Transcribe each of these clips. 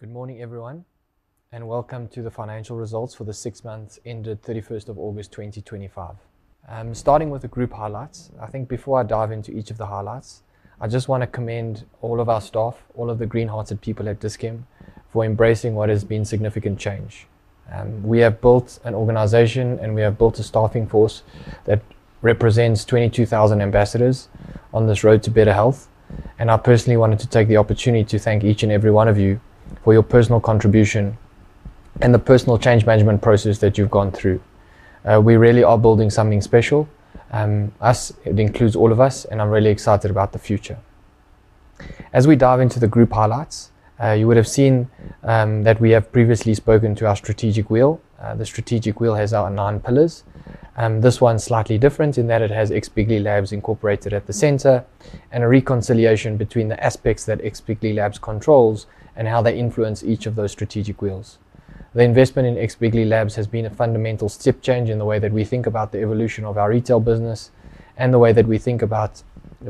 Good morning everyone and welcome to the financial results for the six months ended 31st of August 2025. Starting with the group highlights, I think before I dive into each of the highlights, I just want to commend all of our staff, all of the green-hearted people at Dis-Chem for embracing what has been significant change. We have built an organization and we have built a staffing force that represents 22,000 ambassadors on this road to better health. I personally wanted to take the opportunity to thank each and every one of you for your personal contribution and the personal change management process that you've gone through. We really are building something special. It includes all of us and I'm really excited about the future. As we dive into the group highlights, you would have seen that we have previously spoken to our strategic wheel. The strategic wheel has our nine pillars. This one's slightly different in that it has X, bigly labs incorporated at the center and a reconciliation between the aspects that X, bigly labs controls and how they influence each of those strategic wheels. The investment in X, bigly labs has been a fundamental step change in the way that we think about the evolution of our retail business and the way that we think about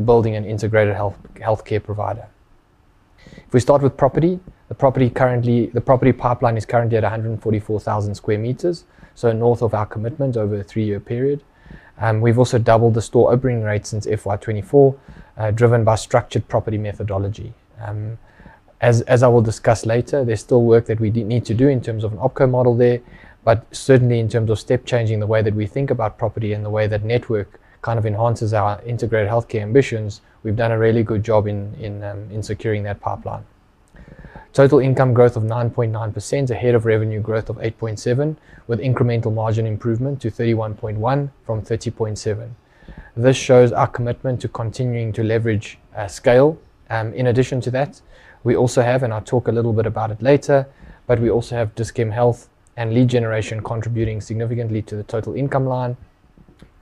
building an integrated healthcare provider. If we start with property, the property pipeline is currently at 144,000 square meters, so north of our commitment over a three-year period, and we've also doubled the store opening rate since FY2024 driven by structured property methodology. As I will discuss later, there's still work that we need to do in terms of an OpCo model there, but certainly in terms of step changing the way that we think about property and the way that network kind of enhances our integrated healthcare ambitions, we've done a really good job in securing that pipeline. Total income growth of 9.9% ahead of revenue growth of 8.7% with incremental margin improvement to 31.1% from 30.7%. This shows our commitment to continuing to leverage scale. In addition to that, we also have, and I'll talk a little bit about it later, but we also have Dis-Chem Health and lead generation contributing significantly to the total income line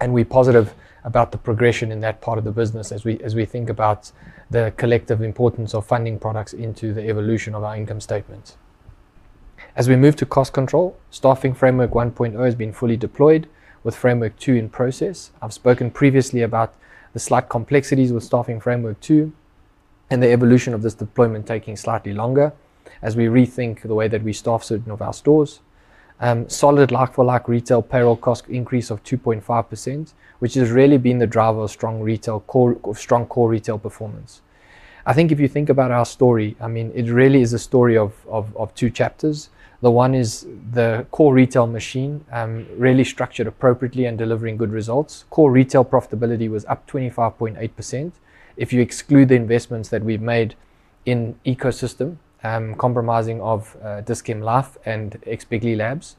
and we're positive about the progression in that part of the business as we think about the collective importance of funding products into the evolution of our income statement as we move to cost control. Staffing Framework 1.0 has been fully deployed with Framework 2 in process. I've spoken previously about the slight complexities with Staffing Framework 2 and the evolution of this deployment taking slightly longer as we rethink the way that we staff certain of our stores. Solid like-for-like retail payroll cost increase of 2.5% has really been the driver of strong core retail performance. I think if you think about our story, it really is a story of two chapters. The one is the core retail machine really structured appropriately and delivering good results. Core retail profitability was up 25.8% if you exclude the investments that we've made in ecosystem investments comprising of Dis-Chem Life and X, bigly labs,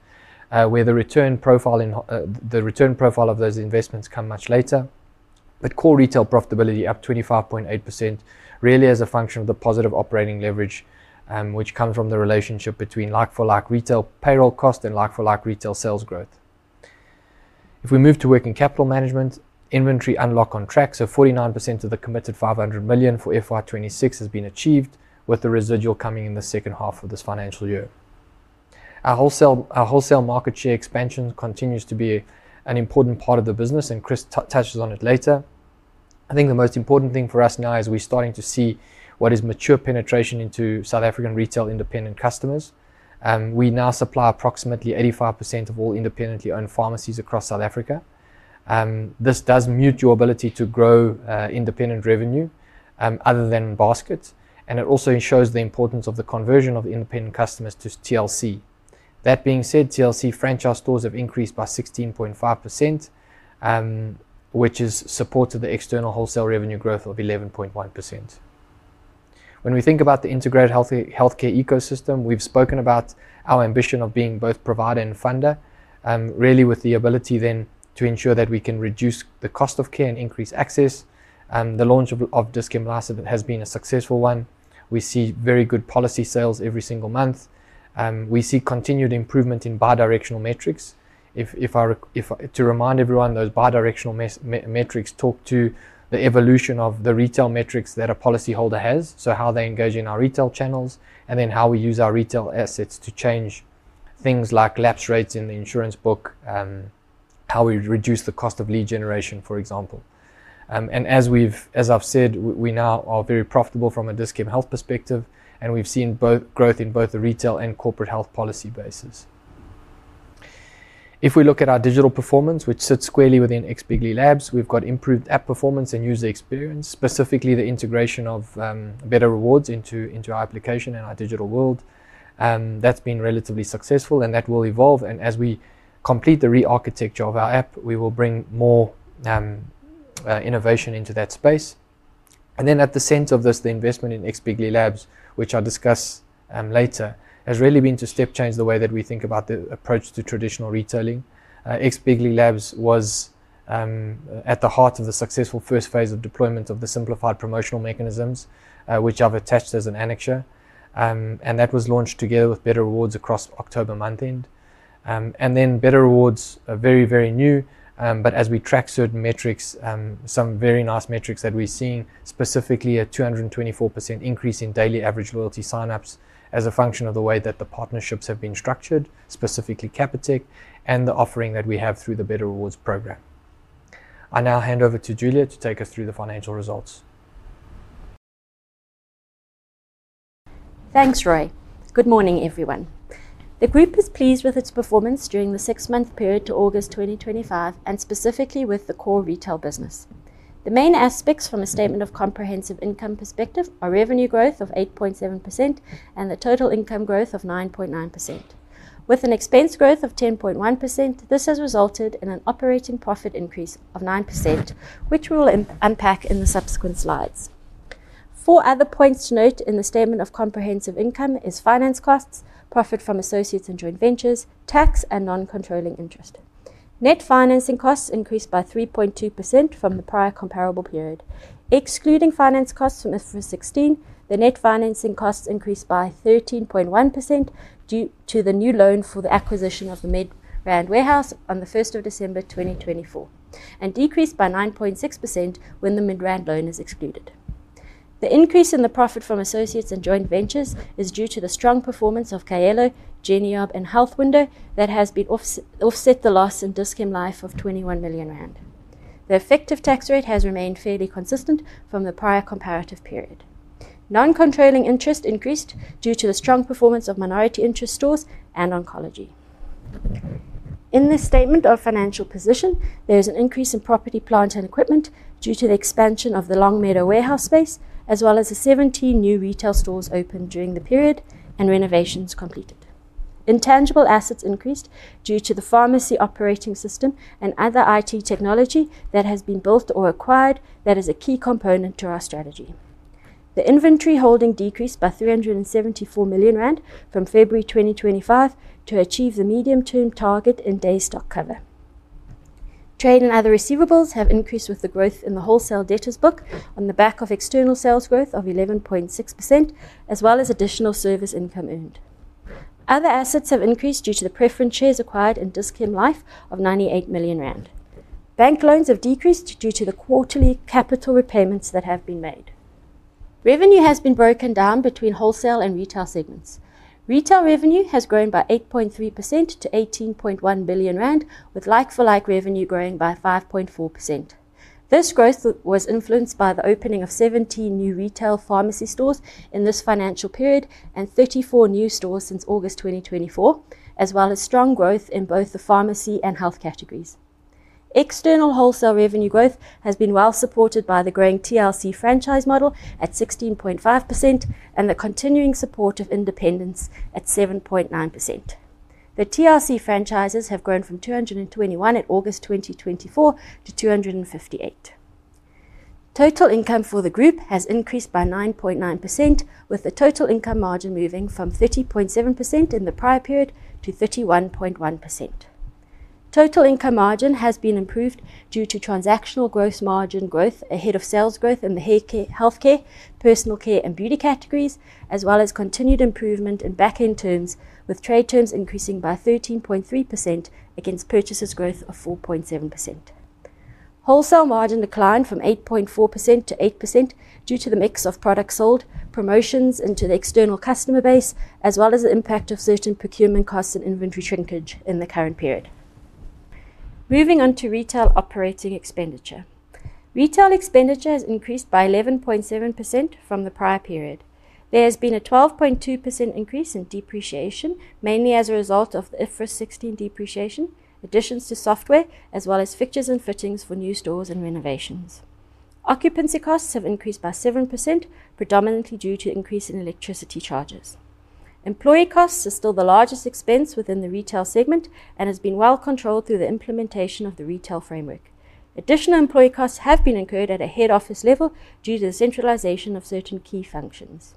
where the return profile of those investments comes much later. Core retail profitability up 25.8% really as a function of the positive operating leverage which comes from the relationship between like-for-like retail payroll cost and like-for-like retail sales growth. If we move to working capital management, inventory unlock on track. 49% of the committed 500 million for FY2026 has been achieved with the residual coming in the second half of this financial year. Our wholesale market share expansion continues to be an important part of the business and Chris touches on it later. I think the most important thing for us now is we're starting to see what is mature penetration into South African retail independent customers. We now supply approximately 85% of all independently owned pharmacies across South Africa. This does mute your ability to grow independent revenue other than basket and it also shows the importance of the conversion of independent customers to TLC. That being said, TLC franchise stores have increased by 16.5% which has supported the external wholesale revenue growth of 11.1%. When we think about the integrated healthcare ecosystem, we've spoken about our ambition of being both provider and funder really with the ability then to ensure that we can reduce the cost of care and increase access. Th e launch of Dis-Chem Life has been a successful one. We see very good policy sales every single month. We see continued improvement in bi-directional metrics. To remind everyone, those bi-directional metrics talk to the evolution of the retail metrics that a policyholder has. How they engage in our retail channels and then how we use our retail assets to change things like lapse rates in the insurance book, how we reduce the cost of lead generation for example. As I've said, we now are very profitable from a Dis-Chem Health perspective and we've seen growth in both the retail and corporate health policy basis. If we look at our digital performance, which sits squarely within X, bigly labs, we've got improved app performance and user experience. Specifically, the integration of Better Rewards into our application and our digital world has been relatively successful and that will evolve. As we complete the re-architecture of our app, we will bring more innovation into that space. At the center of this, the investment in X, bigly labs, which I'll discuss later, has really been to step change the way that we think about the approach to traditional retailing. X, bigly labs was at the heart of the successful first phase of deployment of the simplified promotional mechanisms, which I've attached as an annexure, and that was launched together with Better Rewards across October month end. Better Rewards is very new, but as we track certain metrics, some very nice metrics that we're seeing, specifically a 224% increase in daily average loyalty signups as a function of the way that the partnerships have been structured, specifically Capitec and the offering that we have through the Better Rewards program. I now hand over to Julia to take us through the financial results. Thanks, Rui. Good morning, everyone. The group is pleased with its performance during the six-month period to August 2025 and specifically with the core retail business. The main aspects from a Statement of Comprehensive Income perspective are revenue growth of 8.7% and the total income growth of 9.9% with an expense growth of 10.1%. This has resulted in an operating profit increase of 9%, which we will unpack in the subsequent slides. Four other points to note in the Statement of Comprehensive Income are finance costs, profit from associates and joint ventures, tax, and non-controlling interest. Net financing costs increased by 3.2% from the prior comparable period. Excluding finance costs from IFRS 16, the net financing costs increased by 13.1% due to the new loan for the acquisition of the Midrand warehouse on 1st of December 2024 and decreased by 9.6% when the Midrand loan is excluded. The increase in the profit from associates and joint ventures is due to the strong performance of Kaelo, Geniob, and Health Window that has offset the loss in Dis-Chem Life of 21 million rand. The effective tax rate has remained fairly consistent from the prior comparative period. Non-controlling interest increased due to the strong performance of minority interest stores and Oncology. In this Statement of Financial Position, there is an increase in property, plant, and equipment due to the expansion of the Longmeadow warehouse space as well as the 17 new retail stores opened during the period and renovations completed. Intangible assets increased due to the pharmacy operating system and other IT technology that has been built or acquired. That is a key component to our strategy. The inventory holding decreased by 374 million rand from February 2025 to achieve the medium-term target in days stock cover. Trade and other receivables have increased with the growth in the wholesale debtors book on the back of external sales growth of 11.6% as well as additional service income earned. Other assets have increased due to the preference shares acquired in Dis-Chem Life of 98 million rand. Bank loans have decreased due to the quarterly capital repayments that have been made. Revenue has been broken down between wholesale and retail segments. Retail revenue has grown by 8.3% to 18.1 billion rand with like-for-like revenue growing by 5.4%. This growth was influenced by the opening of 17 new retail pharmacy stores in this financial period and 34 new stores since August 2024 as well as strong growth in both the pharmacy and health categories. External wholesale revenue growth has been well supported by the growing TLC franchise model at 16.5% and the continuing support of independents at 7.9%. The TLC franchises have grown from 221 at August 2024 to 258. Total income for the group has increased by 9.9% with the total income margin moving from 30.7% in the prior period to 31.1%. Total income margin has been improved due to transactional gross margin growth ahead of sales growth in the healthcare, personal care, and beauty categories as well as continued improvement in back end terms with trade terms increasing by 13.3% against purchases growth of 4.7%. Wholesale margin declined from 8.4% to 8% due to the mix of products sold, promotions into the external customer base, as well as the impact of certain procurement costs and inventory shrinkage in the current period. Moving on to retail operating expenditure, retail expenditure has increased by 11.7% from the prior period. There has been a 12.2% increase in depreciation mainly as a result of the IFRS 16 depreciation additions to software as well as fixtures and fittings for new stores and renovations. Occupancy costs have increased by 7% predominantly due to an increase in electricity charges. Employee costs are still the largest expense within the retail segment and have been well controlled through the implementation of the retail staffing framework. Additional employee costs have been incurred at a head office level due to the centralization of certain key functions.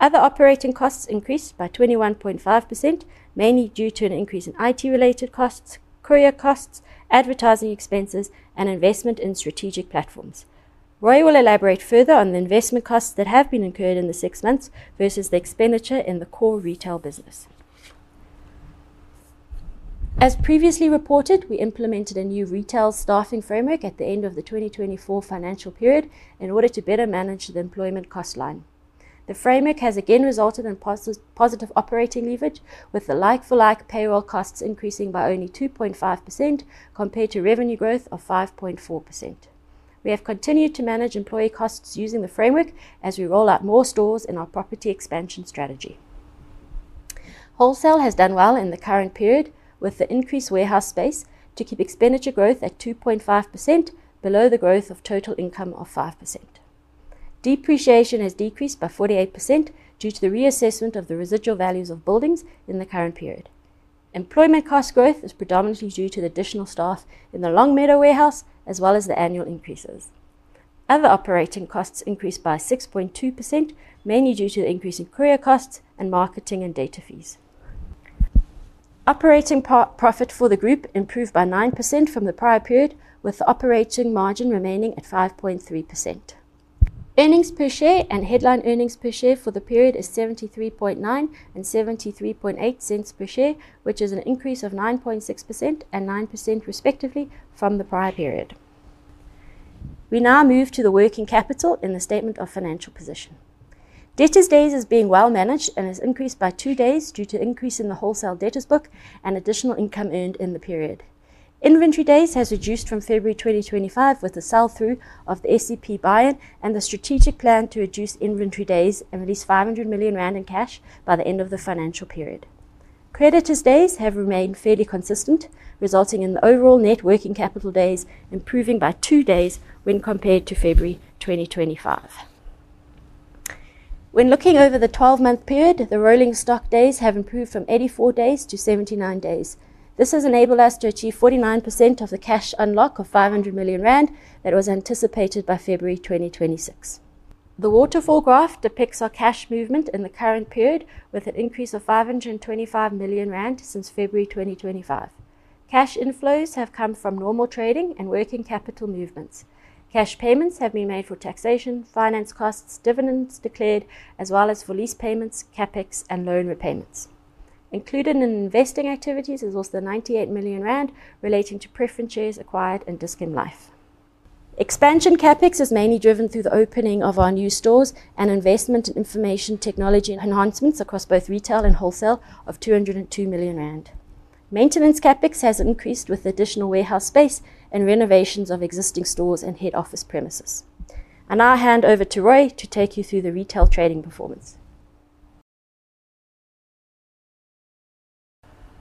Other operating costs increased by 21.5% mainly due to an increase in IT-related costs, courier costs, advertising expenses, and investment in strategic platforms. Rui will elaborate further on the investment costs that have been incurred in the six months versus the expenditure in the core retail business. As previously reported, we implemented a new retail staffing framework at the end of the 2024 financial period in order to better manage the employment cost line. The framework has again resulted in positive operating leverage with the like-for-like payroll costs increasing by only 2.5% compared to revenue growth of 5.4%. We have continued to manage employee costs using the framework as we roll out more stores in our property expansion strategy. Wholesale has done well in the current period with the increased warehouse space to keep expenditure growth at 2.5% below the growth of total income of 5%. Depreciation has decreased by 48% due to the reassessment of the residual values of buildings in the current period. Employment cost growth is predominantly due to the additional staff in the Longmeadow warehouse as well as the annual increases. Other operating costs increased by 6.2% mainly due to the increase in courier costs and marketing and data fees. Operating profit for the group improved by 9% from the prior period with operating margin remaining at 5.3%. Earnings per share and headline earnings per share for the period is 0.739 and 0.738 per share, which is an increase of 9.6% and 9% respectively from the prior period. We now move to the working capital in the statement of financial position. Debtors days is being well managed and has increased by 2 days due to increase in the wholesale debtors book and additional income earned in the period. Inventory days has reduced from February 2025 with the sell through of the SEP buy in and the strategic plan to reduce inventory days and at least 500 million rand in cash by the end of the financial period. Creditors days have remained fairly consistent, resulting in the overall net working capital days improving by 2 days when compared to February 2025. When looking over the 12 month period, the rolling stock days have improved from 84 days to 79 days. This has enabled us to achieve 49% of the cash unlock of 500 million rand that was anticipated by February 2026. The Waterfall graph depicts our cash movement in the current period with an increase of 525 million rand since February 2025. Cash inflows have come from normal trading and working capital movements. Cash payments have been made for taxation, finance costs, dividends declared as well as for lease payments, CapEx and loan repayments. Included in investing activities is also the 98 million rand relating to preference shares acquired and Dis-Chem Life expansion. CapEx is mainly driven through the opening of our new stores and investment in information technology enhancements across both retail and wholesale of 202 million rand. Maintenance CapEx has increased with additional warehouse space and renovations of existing stores and head office premises. I now hand over to Rui to take you through the retail trading performance.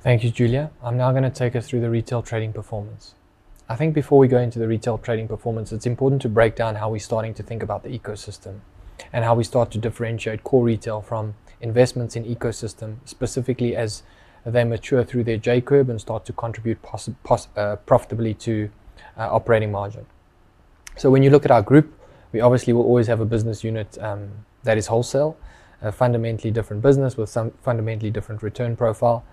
Thank you, Julia. I'm now going to take us through the retail trading performance. I think before we go into the retail trading performance, it's important to break down how we're starting to think about the ecosystem and how we start to differentiate core retail from investments in ecosystem specifically as they mature through their J curve and start to contribute profitably to operating margin. When you look at our group, we obviously will always have a business unit that is wholesale, a fundamentally different business with some fundamentally different return profile.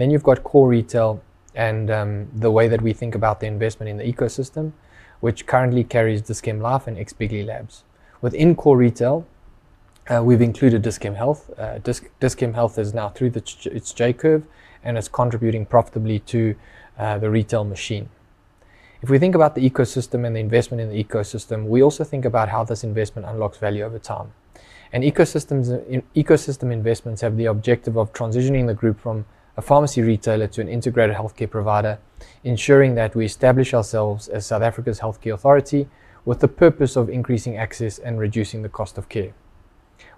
Then you've got core retail. The way that we think about the investment in the ecosystem, which currently carries Dis-Chem Life and X, bigly labs. Within core retail we've included Dis-Chem Health. Dis-Chem Health is now through its J curve and it's contributing profitably to the retail machine. If we think about the ecosystem and the investment in the ecosystem, we also think about how this investment unlocks value over time. Ecosystem investments have the objective of transitioning the group from a pharmacy retailer to an integrated healthcare provider, ensuring that we establish ourselves as South Africa's healthcare authority with the purpose of increasing access and reducing the cost of care.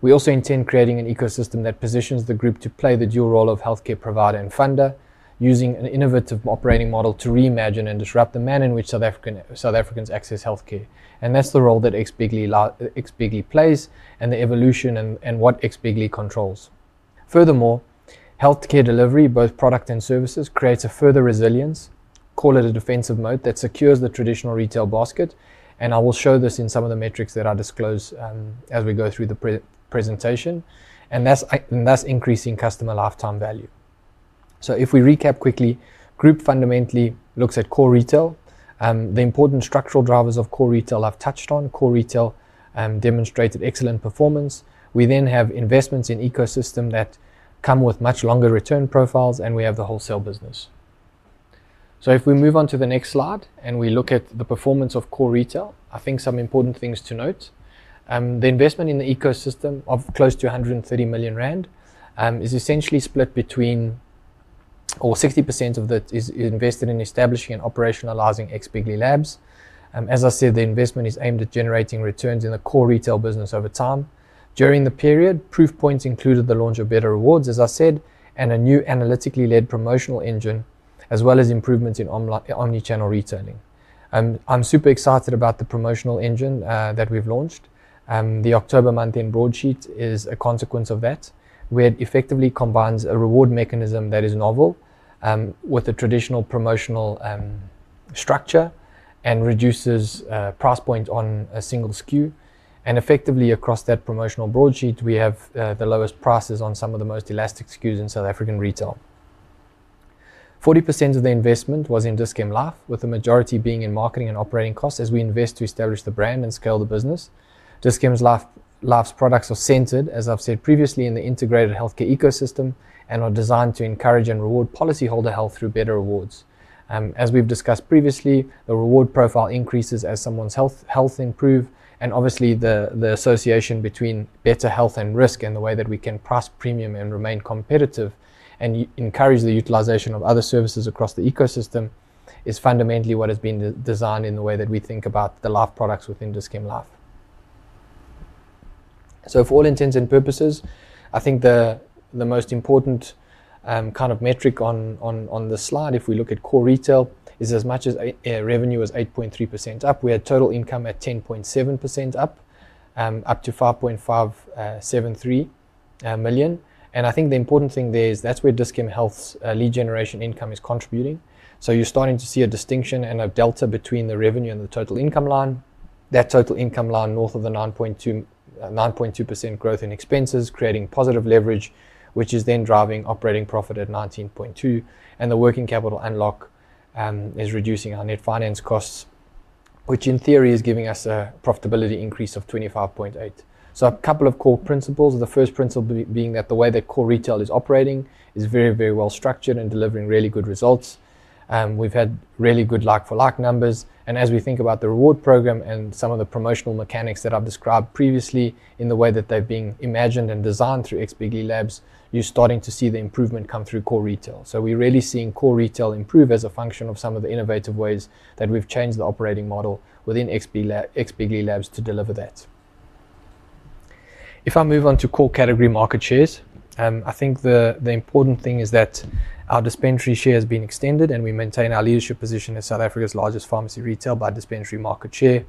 We also intend creating an ecosystem that positions the group to play the dual role of healthcare provider and funder, using an innovative operating model to reimagine and disrupt the manner in which South Africans access healthcare. That's the role that X, bigly plays and the evolution and what X, bigly controls. Furthermore, healthcare delivery, both product and services, creates a further resilience. Call it a defensive moat that secures the traditional retail basket. I will show this in some of the metrics that I disclose as we go through the presentation and thus increasing customer lifetime value. If we recap quickly, Group fundamentally looks at core retail, the important structural drivers of core retail I've touched on. Core retail demonstrated excellent performance. We then have investments in ecosystem that come with much longer return profiles and we have the wholesale business. If we move on to the next slide and we look at the performance of core retail, I think some important things to note. The investment in the ecosystem of close to 130 million rand is essentially split between, or 60% of that is invested in establishing and operationalizing X, bigly labs. As I said, the investment is aimed at generating returns in the core retail business over time. During the period, proof points included the launch of Better Rewards, as I said, and a new analytically led promotional engine as well as improvements in omnichannel retailing. I'm super excited about the promotional engine that we've launched. The October month in broadsheet is a consequence of that, where it effectively combines a reward mechanism that is novel with a traditional promotional structure and reduces price point on a single SKU. Effectively, across that promotional broadsheet, we have the lowest prices on some of the most elastic SKUs in South African retail. 40% of the investment was in Dis-Chem Life, with the majority being in marketing and operating costs as we invest to establish the brand and scale the business. Dis-Chem Life's products are centered, as I've said previously, in the integrated healthcare ecosystem and are designed to encourage and reward policyholder health through Better Rewards. As we've discussed previously, the reward profile increases as someone's health improves and obviously the association between better health and risk and the way that we can price premium and remain competitive and encourage the utilization of other services across the ecosystem is fundamentally what has been designed in the way that we think about the Life products within Dis-Chem Life. For all intents and purposes, I think the most important kind of metric on the slide if we look at core retail is as much as revenue was 8.3% up, we had total income at 10.7% up to 5.573 million. I think the important thing there is that's where Dis-Chem Health's lead generation income is contributing. You're starting to see a distinction and a delta between the revenue and the total income line. That total income line north of the 9.2% growth in expenses, creating positive leverage, which is then driving operating profit at 19.2% and the working capital unlock is reducing our net finance costs, which in theory is giving us a profitability increase of 25.8%. A couple of core principles. The first principle being that the way that core retail is operating is very, very well structured and delivering really good results. We've had really good like for like numbers, and as we think about the reward program and some of the promotional mechanics that I've described previously in the way that they've been imagined and designed through X, bigly labs, you're starting to see the improvement come through core retail. We're really seeing core retail improve as a function of some of the innovative ways that we've changed the operating model within X, bigly labs to deliver that. If I move on to core category market shares, I think the important thing is that our dispensary share has been extended, and we maintain our leadership position in South Africa's largest pharmacy retail by dispensary market share.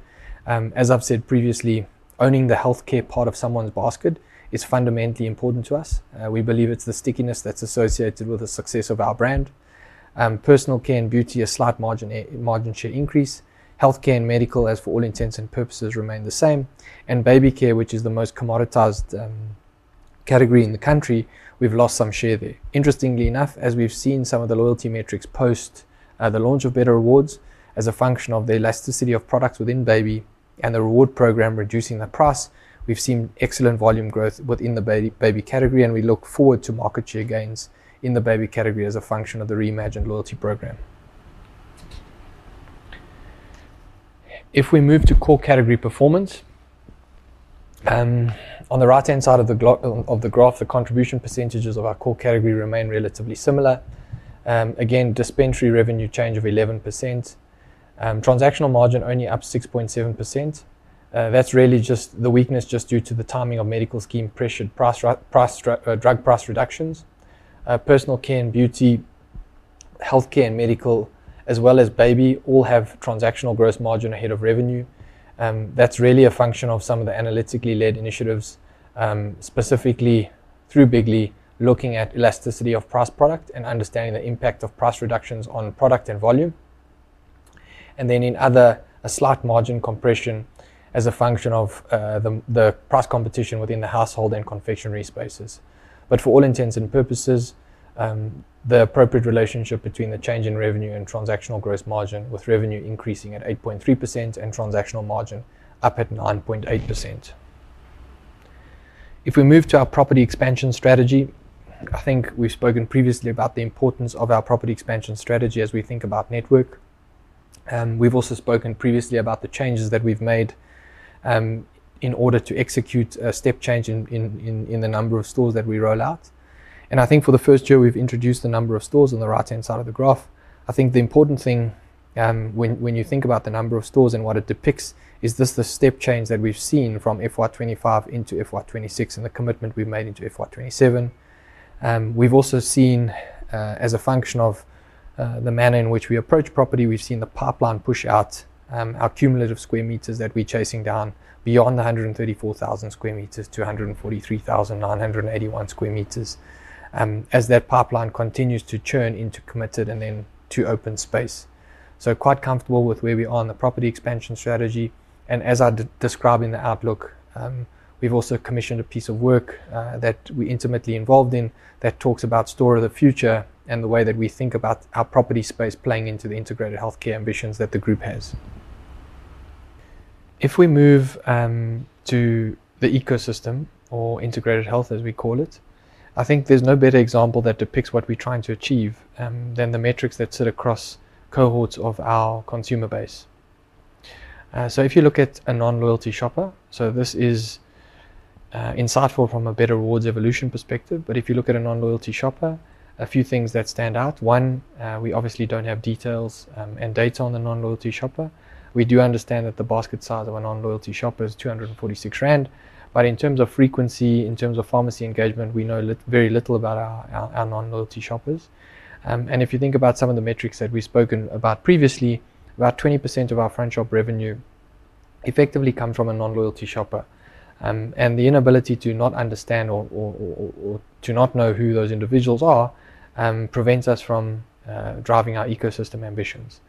As I've said previously, owning the healthcare part of someone's basket is fundamentally important to us. We believe it's the stickiness that's associated with the success of our brand. Personal care and beauty, a slight margin share increase. Healthcare and medical, as for all intents and purposes, remain the same. Baby care, which is the most commoditized category in the country, we've lost some share there. Interestingly enough, as we've seen some of the loyalty metrics post the launch of Better Rewards as a function of the elasticity of products within baby and the reward program reducing the price, we've seen excellent volume growth within the baby category, and we look forward to market share gains in the baby category as a function of the reimagined loyalty program. If we move to core category performance, on the right hand side of the graph, the contribution percentages of our core category remain relatively similar. Similar again. Dispensary revenue change of 11%, transactional margin only up 6.7%. That's really just the weakness due to the timing of medical scheme pressured drug price reductions. Personal care and beauty, healthcare and medical, as well as baby, all have transactional gross margin ahead of revenue. That's really a function of some of the analytically led initiatives, specifically through bigly, looking at elasticity of price product and understanding the impact of price reductions on product and volume. In other, a slight margin compression as a function of the price competition within the household and confectionery spaces. For all intents and purposes, the appropriate relationship between the change in revenue and transactional gross margin with revenue increasing at 8.3% and transactional margin up at 9.8%. If we move to our property expansion strategy, I think we've spoken previously about the importance of our property expansion strategy as we think about network. We've also spoken previously about the changes that we've made in order to execute a step change in the number of stores that we roll out. I think for the first year we've introduced the number of stores on the right-hand side of the graph. The important thing when you think about the number of stores and what it depicts is the step change that we've seen from FY2025 into FY2026 and the commitment we've made into FY2027. We've also seen, as a function of the manner in which we approach property, the pipeline push out our cumulative square meters that we're chasing down beyond 134,000 square meters to 143,981 square meters as that pipeline continues to churn into committed and then to open space. Quite comfortable with where we are in the property expansion strategy. As I describe in the outlook, we've also commissioned a piece of work that we are intimately involved in that talks about store of the future and the way that we think about our property space playing into the integrated healthcare ambitions that the group has. If we move to the ecosystem or integrated health as we call it, I think there's no better example that depicts what we're trying to achieve than the metrics that sit across cohorts of our consumer base. If you look at a non-loyalty shopper, this is insightful from a Better Rewards evolution perspective. If you look at a non-loyalty shopper, a few things stand out. One, we obviously don't have details and data on the non-loyalty shopper. We do understand that the basket size of a non-loyalty shopper is 246 rand. In terms of frequency, in terms of pharmacy engagement, we know very little about our non-loyalty shoppers. If you think about some of the metrics that we've spoken about previously, about 20% of our front shop revenue effectively comes from a non-loyalty shopper. The inability to not understand or to not know who those individuals are prevents us from driving our ecosystem ambitions.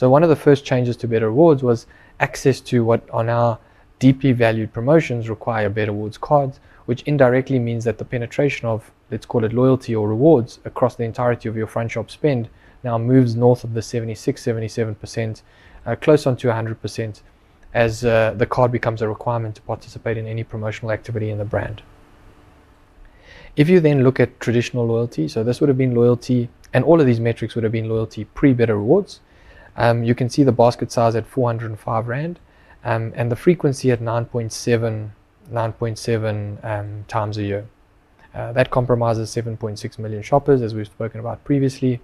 One of the first changes to Better Rewards was access to what on our deeply valued promotions require Better Rewards cards, which indirectly means that the penetration of, let's call it loyalty or rewards across the entirety of your front shop spend now moves north of the 76%, 77% close on to 100% as the card becomes a requirement to participate in any promotional activity in the brand. If you then look at traditional loyalty, this would have been loyalty and all of these metrics would have been loyalty pre Better Rewards. You can see the basket size at 405 rand and the frequency at 9.7x a year that comprises 7.6 million shoppers as we've spoken about previously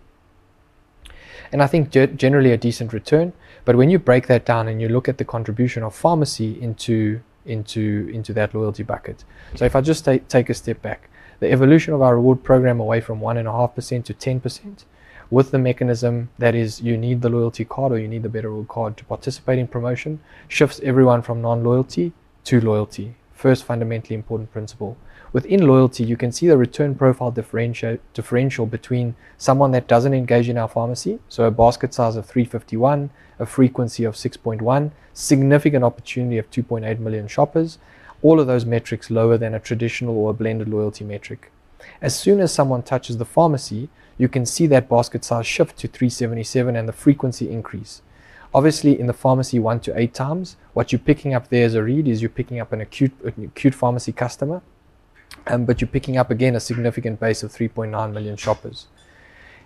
and I think generally a decent return. When you break that down and you look at the contribution of pharmacy into that loyalty bucket, if I just take a step back, the evolution of our reward program away from 1.5% to 10% with the mechanism that is you need the loyalty card or you need the Better Rewards card to participate in promotion shifts everyone from non-loyalty to loyalty. First fundamentally important principle within loyalty. You can see the return profile differential between someone that doesn't engage in our pharmacy. A basket size of 351, a frequency of 6.1, significant opportunity of 2.8 million shoppers, all of those metrics lower than a traditional or blended loyalty metric. As soon as someone touches the pharmacy, you can see that basket size shift to 377 and the frequency increase obviously in the pharmacy one to eight times. What you're picking up there as a read is you're picking up an acute, acute pharmacy customer, but you're picking up again a significant base of 3.9 million shoppers.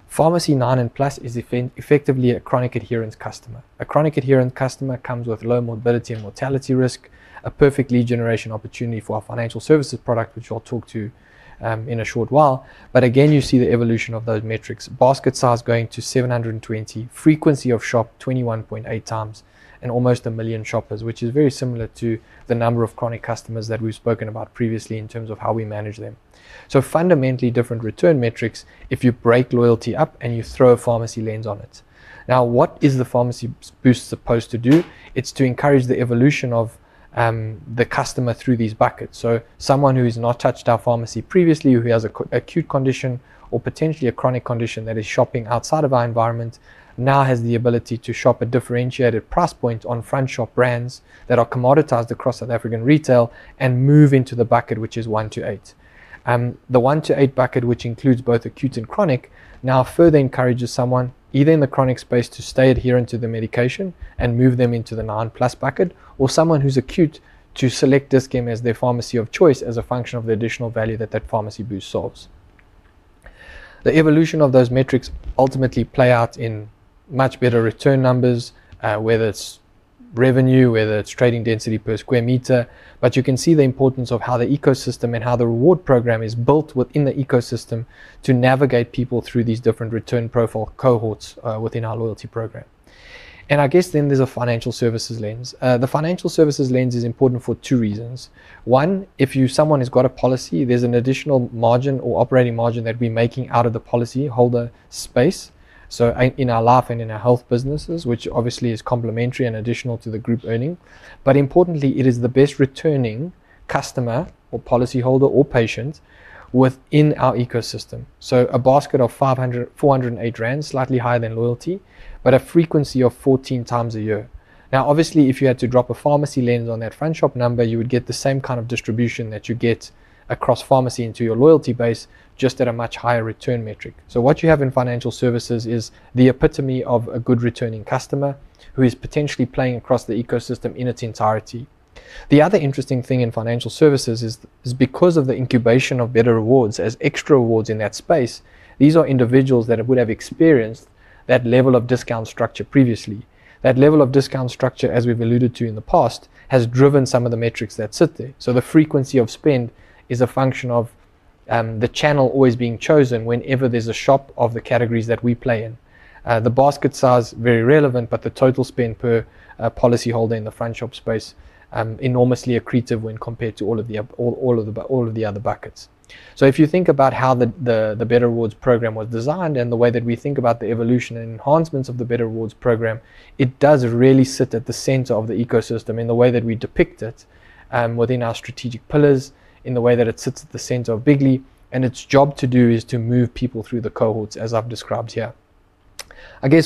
Pharmacy 9+ is effectively a chronic adherence customer. A chronic adherence customer comes with low morbidity and mortality risk. A perfect lead generation opportunity for our financial services product, which I'll talk to in a short while. Again you see the evolution of those metrics. Basket size going to 720, frequency of shop 21.8x and almost a million shoppers, which is very similar to the number of chronic customers that we've spoken about previously in terms of how we manage them. Fundamentally different return metrics. If you break loyalty up and you throw a pharmacy lens on it now, what is the pharmacy boost supposed to do? It's to encourage the evolution of the customer through these buckets. Someone who has not touched our pharmacy previously, who has an acute condition or potentially a chronic condition, that is shopping outside of our environment, now has the ability to shop a differentiated price point on front shop brands that are commoditized across South African retail and move into the bucket, which is 1 to 8. The 1 to 8 bucket, which includes both acute and chronic, now further encourages someone either in the chronic space to stay adherent to the medication and move them into the 9+ bucket, or someone who's acute to select Dis-Chem as their pharmacy of choice as a function of the additional value that that pharmacy boost solves. The evolution of those metrics ultimately plays out in much better return numbers, whether it's revenue or trading density per square meter. You can see the importance of how the ecosystem and how the reward program is built within the ecosystem to navigate people through these different return profile cohorts within our loyalty program. There is a financial services lens. The financial services lens is important for two reasons. One, if someone has got a policy, there's an additional margin or operating margin that we're making out of the policyholder space. In our life and in our health businesses, which obviously is complementary and additional to the group earning, but importantly, it is the best returning customer or policyholder or patient within our ecosystem. A basket of 408 rand, slightly higher than loyalty, but a frequency of 14x a year. If you had to drop a pharmacy lens on that front shop number, you would get the same kind of distribution that you get across pharmacy into your loyalty base, just at a much higher return metric. What you have in financial services is the epitome of a good returning customer who is potentially playing across the ecosystem in its entirety. The other interesting thing in financial services is because of the incubation of Better Rewards as extra rewards in that space. These are individuals that would have experienced that level of discount structure previously. That level of discount structure, as we've alluded to in the past, has driven some of the metrics that sit there. The frequency of spend is a function of the channel always being chosen whenever there's a shop. Of the categories that we play in, the basket size is very relevant. The total spend per policyholder in the front shop space is enormously accretive when compared to all of the other buckets. If you think about how the Better Rewards program was designed and the way that we think about the evolution and enhancements of the Better Rewards program, it does really sit at the center of the ecosystem in the way that we depict it within our strategic pillars, in the way that it sits at the center of big league. Its job is to move people through the cohorts, as I've described here.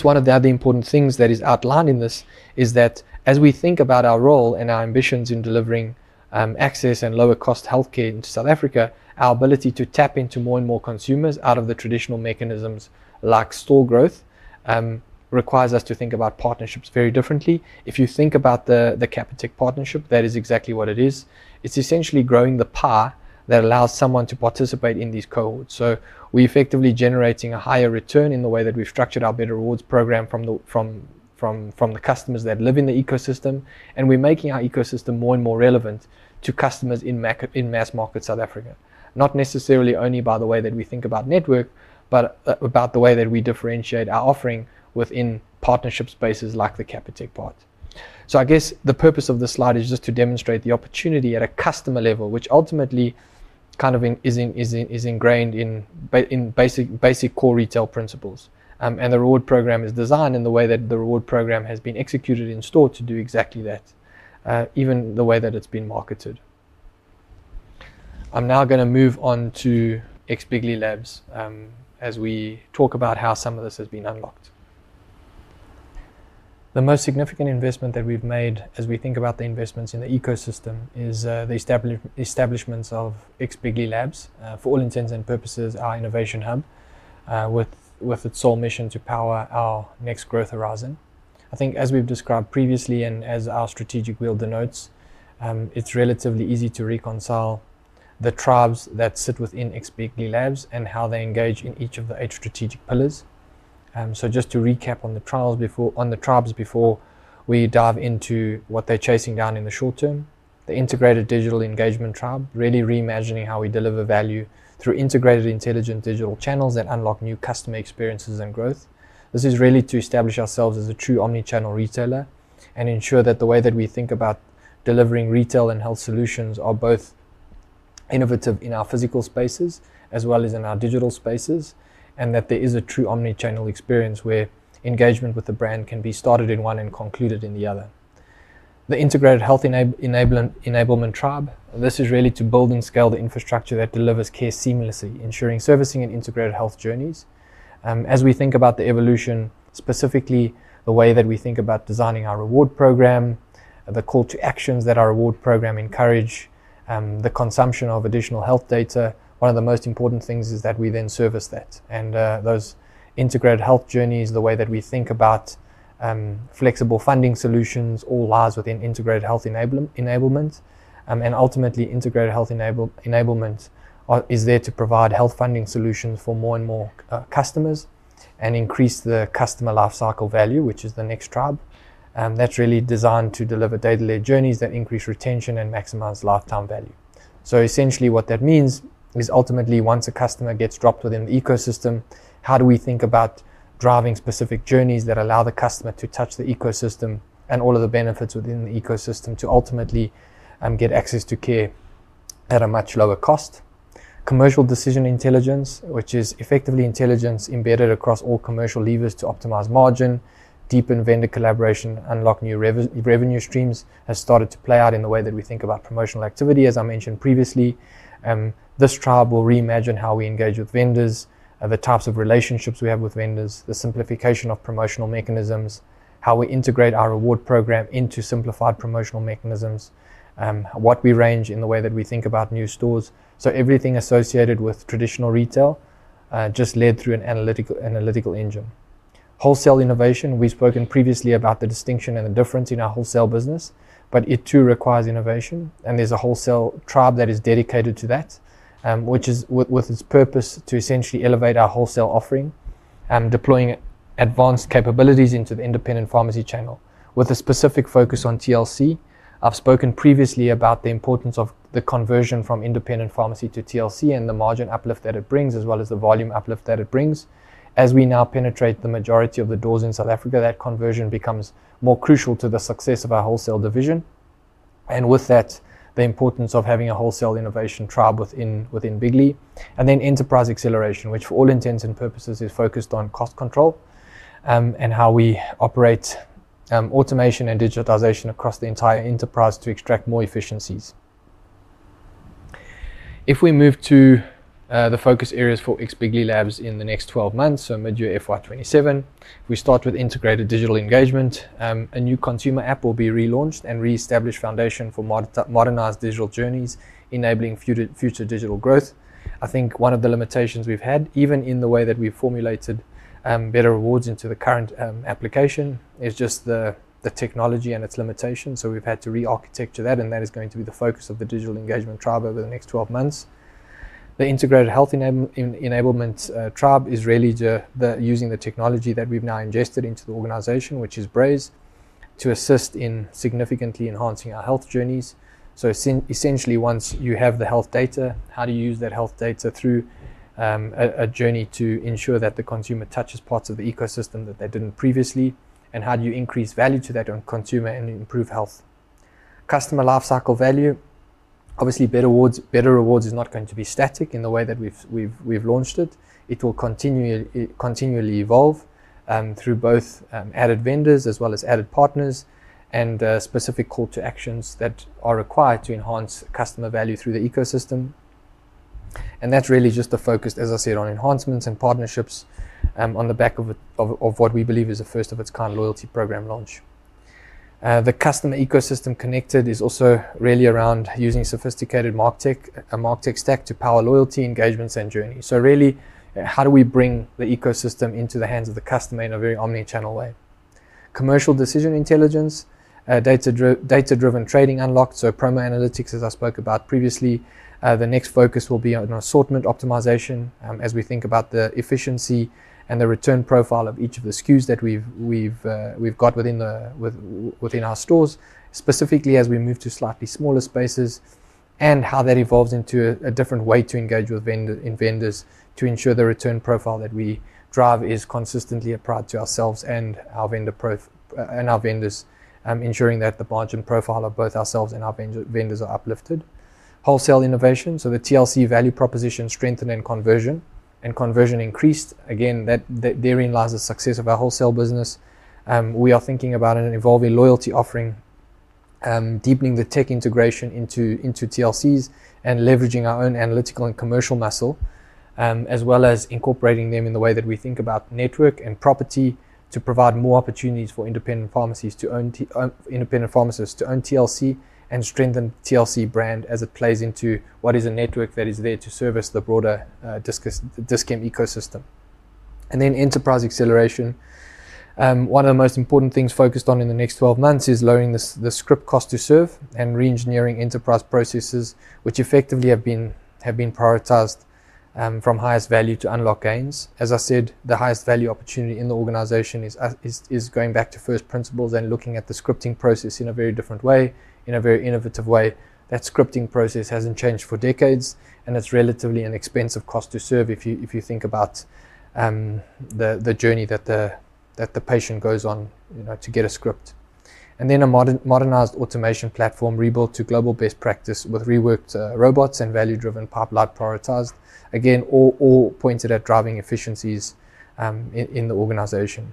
One of the other important things that is outlined in this is that as we think about our role and our ambitions in delivering access and lower cost healthcare in South Africa, our ability to tap into more and more consumers out of the traditional mechanisms like store growth requires us to think about partnerships very differently. If you think about the Capitec partnership, that is exactly what it is. It's essentially growing the pie that allows someone to participate in these cohorts. We're effectively generating a higher return in the way that we've structured our Better Rewards program from the customers that live in the ecosystem. We're making our ecosystem more and more relevant to customers in mass market South Africa, not necessarily only by the way that we think about network, but about the way that we differentiate our offering within partnership spaces, like the Capitec part. The purpose of this slide is just to demonstrate the opportunity at a customer level, which ultimately is ingrained in basic core retail principles. The reward program is designed in the way that the reward program has been executed in store to do exactly that, even the way that it's been marketed. I'm now going to move on to X, bigly labs as we talk about how some of this has been unlocked. The most significant investment that we've made as we think about the investments in the ecosystem is the establishment of X, bigly labs. For all intents and purposes, our innovation hub with its sole mission to power our next growth horizon. As we've described previously and as our strategic wheel denotes, it's relatively easy to reconcile the tribes that sit within X, bigly labs and how they engage in each of the eight strategic pillars. Just to recap on the tribes before we dive into what they're chasing down in the short term, the Integrated Digital Engagement Tribe is really reimagining how we deliver value through integrated intelligent digital channels that unlock new customer experiences and growth. This is really to establish ourselves as a true omnichannel retailer and ensure that the way that we think about delivering retail and health solutions is both innovative in our physical spaces as well as in our digital spaces, and that there is a true omnichannel experience where engagement with the brand can be started in one and concluded in the other. The Integrated Health Enablement Tribe is really to build and scale the infrastructure that delivers care seamlessly, ensuring servicing and integrated health journeys. As we think about the evolution, specifically the way that we think about designing our reward program, the call to actions that our reward program encourages, the consumption of additional health data. One of the most important things is that we then service that and those integrated health journeys. The way that we think about flexible funding solutions all lies within integrated health enablement. Ultimately, integrated health enablement is there to provide health funding solutions for more and more customers and increase the customer lifecycle value, which is the next tribe. That's really designed to deliver day-to-day journeys that increase retention and maximize lifetime value. Essentially, what that means is ultimately once a customer gets dropped within the ecosystem, how do we think about driving specific journeys that allow the customer to touch the ecosystem and all of the benefits within the ecosystem to ultimately get access to care at a much lower cost. Commercial decision intelligence, which is effectively intelligence embedded across all commercial levers to optimize margin, deepen vendor collaboration, unlock new revenue streams, has started to play out in the way that we think about promotional activity. As I mentioned previously, this tribe will reimagine how we engage with vendors, the types of relationships we have with vendors, the simplification of promotional mechanisms, how we integrate our reward program into simplified promotional mechanisms, what we range in the way that we think about new stores. Everything associated with traditional retail is just led through an analytical engine, wholesale innovation. We've spoken previously about the distinction and the difference in our wholesale business, but it too requires innovation. There's a wholesale tribe that is dedicated to that, which is with its purpose to essentially elevate our wholesale offering, deploying advanced capabilities into the independent pharmacy channel with a specific focus on TLC. I've spoken previously about the importance of the conversion from independent pharmacy to TLC and the margin uplift that it brings as well as the volume uplift that it brings. As we now penetrate the majority of the doors in South Africa, that conversion becomes more crucial to the success of our wholesale division, and with that, the importance of having a wholesale innovation tribe within bigly and then enterprise acceleration, which for all intents and purposes is focused on cost control and how we operate automation and digitization across the entire enterprise to extract more efficiencies. If we move to the focus areas for X, bigly labs in the next 12 months, so mid-year FY2027, we start with integrated digital engagement. A new consumer app will be relaunched and re-established as a foundation for modernized digital journeys, enabling future generations, future digital growth. I think one of the limitations we've had even in the way that we've formulated Better Rewards into the current application is just the technology and its limitations. We've had to re-architect that, and that is going to be the focus of the digital engagement tribe over the next 12 months. The integrated health enablement tribe is really using the technology that we've now ingested into the organization, which is Braze, to assist in significantly enhancing our health journeys. Essentially, once you have the health data, how do you use that health data through a journey to ensure that the consumer touches parts of the ecosystem that they didn't previously? How do you increase value to that consumer and improve health customer life cycle value? Obviously, Better Rewards is not going to be static in the way that we've launched it. It will continually evolve through both added vendors as well as added partners and specific call to actions that are required to enhance customer value through the ecosystem. That's really just the focus, as I said, on enhancements and partnerships on the back of what we believe is the first-of-its-kind loyalty program launch. The customer ecosystem connected is also really around using sophisticated martech stack to power loyalty engagements and journeys. Really, how do we bring the ecosystem into the hands of the customer in a very omnichannel way? Commercial Decision Intelligence, data-driven trading unlocked, promo analytics. As I spoke about previously, the next focus will be on assortment optimization as we think about the efficiency and the return profile of each of the SKUs that we've got within our stores, specifically as we move to slightly smaller spaces and how that evolves into a different way to engage with vendors to ensure the return profile that we drive is consistently applied to ourselves and our vendors, ensuring that the margin profile of both ourselves and our vendors are uplifted. Wholesale innovation, so the TLC value proposition strengthened and conversion increased again. Therein lies the success of our wholesale business. We are thinking about an evolution, a loyalty offering, deepening the tech integration into TLCs and leveraging our own analytical and commercial muscle as well as incorporating them in the way that we think about network and property to provide more opportunities for independent pharmacies to own, independent pharmacists to own TLC and strengthen the TLC brand as it plays into what is a network that is there to service the broader Dis-Chem ecosystem. Enterprise acceleration, one of the most important things focused on in the next 12 months is lowering the script cost to serve and re-engineering enterprise processes, which effectively have been prioritized from highest value to unlock gains. As I said, the highest value opportunity in the organization is going back to first principles and looking at the scripting process in a very different way, in a very innovative way. That scripting process hasn't changed for decades, and it's relatively an expensive cost to serve if you think about the journey that the patient goes on to get a script. A modernized automation platform rebuilt to global best practice with reworked robots and value-driven pipeline prioritized, again all pointed at driving efficiencies in the organization.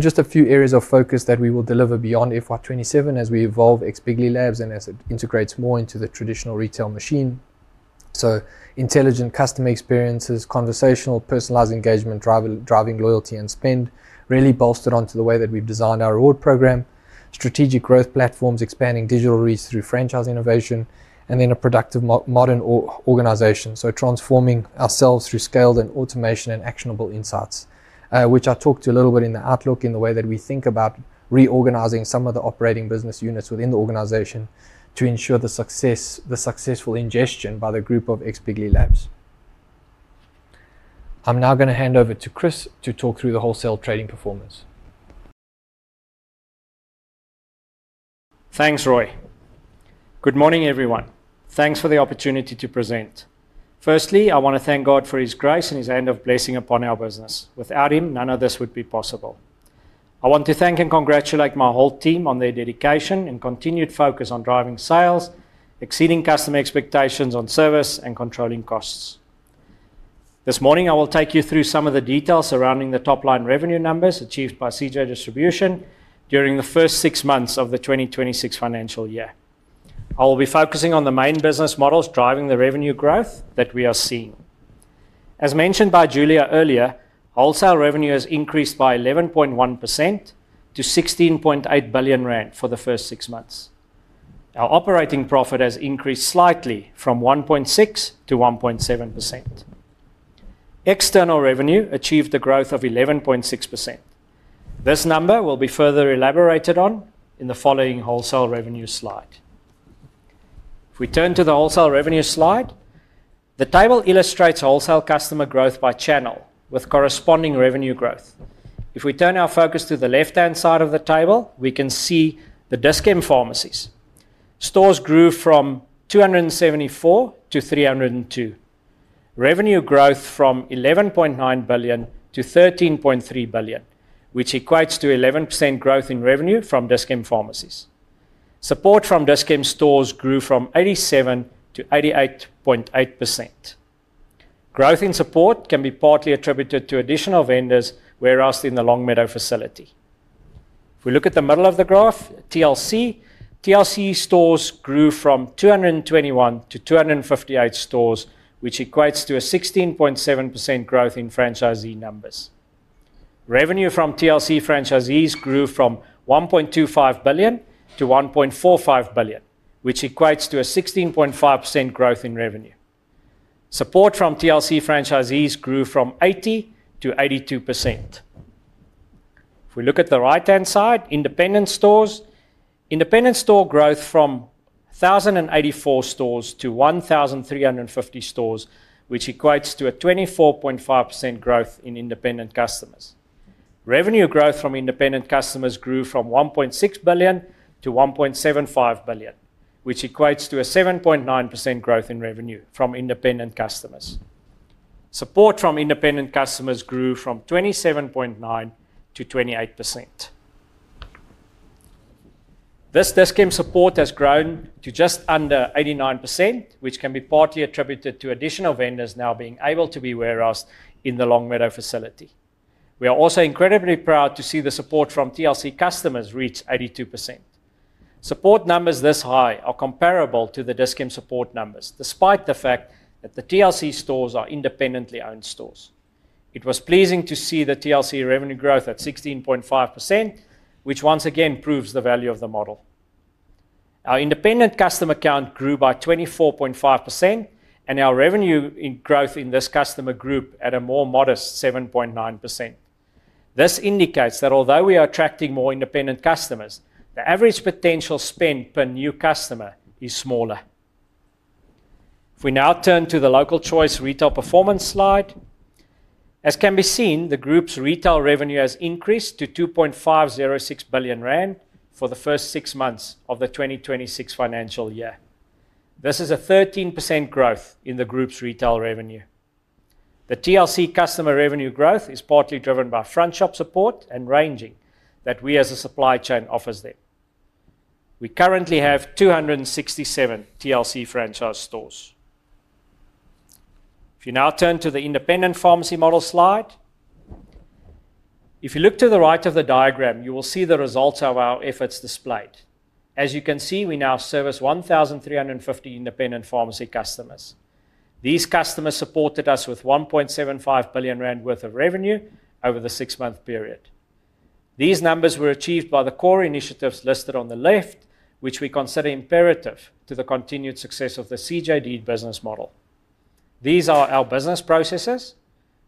Just a few areas of focus that we will deliver beyond FY2027 as we evolve X, bigly labs and as it integrates more into the traditional retail machine. Intelligent customer experiences, conversational personalized engagement, driving loyalty and spend really bolstered onto the way that we've designed our reward program. Strategic growth platforms expanding digital reach through franchise innovation and a productive modern organization, transforming ourselves through scaled and automation and actionable insights, which I talked to a little bit in that outlook in the way that we think about reorganizing some of the operating business units within the organization to ensure the successful ingestion by the group of X, bigly labs. I'm now going to hand over to Chris to talk through the wholesale trading performance. Thanks, Rui. Good morning, everyone. Thanks for the opportunity to present. Firstly, I want to thank God for His grace and His hand of blessing upon our business. Without Him, none of this would be possible. I want to thank and congratulate my whole team on their dedication and continued focus on driving sales, exceeding customer expectations on service, and controlling costs. This morning I will take you through some of the details surrounding the top line revenue numbers achieved by CJ Distribution during the first six months of the 2026 financial year. I will be focusing on the main business models driving the revenue growth that we are seeing. As mentioned by Julia earlier, wholesale revenue has increased by 11.1% to 16.8 billion rand for the first six months. Our operating profit has increased slightly from 1.6% to 1.7%. External revenue achieved a growth of 11.6%. This number will be further elaborated on in the following wholesale revenue slide. If we turn to the wholesale revenue slide, the table illustrates wholesale customer growth by channel with corresponding revenue growth. If we turn our focus to the left-hand side of the table, we can see the Dis-Chem Pharmacies stores grew from 274 to 302, with revenue growth from 11.9 billion to 13.3 billion, which equates to 11% growth in revenue from Dis-Chem Pharmacies. Support from Dis-Chem stores grew from 87% to 88%. Growth in support can be partly attributed to additional vendors warehoused in the Longmeadow facility. If we look at the middle of the graph, TLC stores grew from 221 to 258 stores, which equates to a 16.7% growth in franchisee numbers. Revenue from TLC franchisees grew from 1.25 billion to 1.45 billion, which equates to a 16.5% growth in revenue. Support from TLC franchisees grew from 80% to 82%. If we look at the right-hand side, independent stores grew from 1,084 stores to 1,350 stores, which equates to a 24.5% growth in independent customers. Revenue growth from independent customers grew from 1.6 billion to 1.75 billion, which equates to a 7.9% growth in revenue from independent customers. Support from independent customers grew from 27.9% to 28%. This Dis-Chem support has grown to just under 89%, which can be partly attributed to additional vendors now being able to be warehoused in the Longmeadow facility. We are also incredibly proud to see the support from TLC customers reach 82%. Support numbers this high are comparable to the Dis-Chem support numbers. Despite the fact that the TLC stores are independently owned stores, it was pleasing to see the TLC revenue growth at 16.5%, which once again proves the value of the model. Our independent customer count grew by 24.5% and our revenue growth in this customer group at a more modest 7.9%. This indicates that although we are attracting more independent customers, the average potential spend per new customer is smaller. If we now turn to The Local Choice retail performance slide. As can be seen, the group's retail revenue has increased to 2.506 billion rand for the first six months of the 2026 financial year. This is a 13% growth in the group's retail revenue. The TLC customer revenue growth is partly driven by front shop support and ranging that we as a supply chain offers them. We currently have 267 TLC franchise stores. If you now turn to the independent pharmacy model slide, if you look to the right of the diagram, you will see the results of our efforts displayed. As you can see, we now service 1,350 independent pharmacy customers. These customers supported us with 1.75 billion rand worth of revenue over the six month period. These numbers were achieved by the core initiatives listed on the left which we consider imperative to the continued success of the CJ D business model. These are our business processes,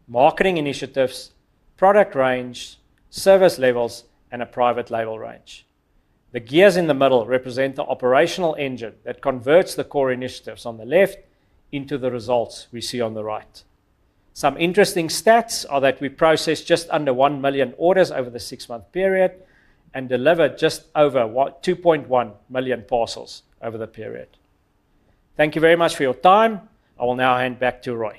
marketing initiatives, product range, service levels, and a private label range. The gears in the middle represent the operational engine that converts the core initiatives on the left into the results we see on the right. Some interesting stats are that we processed just under 1 million orders over the six month period and delivered just over 2.1 million parcels over the period. Thank you very much for your time. I will now hand back to Rui.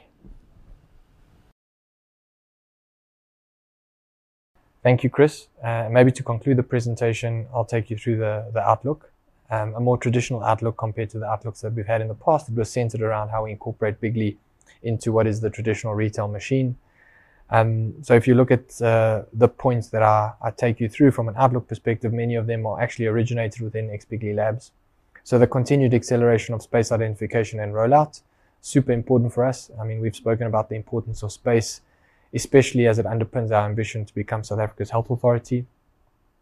Thank you, Chris. Maybe to conclude the presentation, I'll take you through the outlook. A more traditional outlook compared to the outlooks that we've had in the past was centered around how we incorporate bigly into what is the traditional retail machine. If you look at the points that I take you through from an outlook perspective, many of them are actually originated within X, bigly labs. The continued acceleration of space identification and rollout is super important for us. We've spoken about the importance of space, especially as it underpins our ambition to become South Africa's health authority.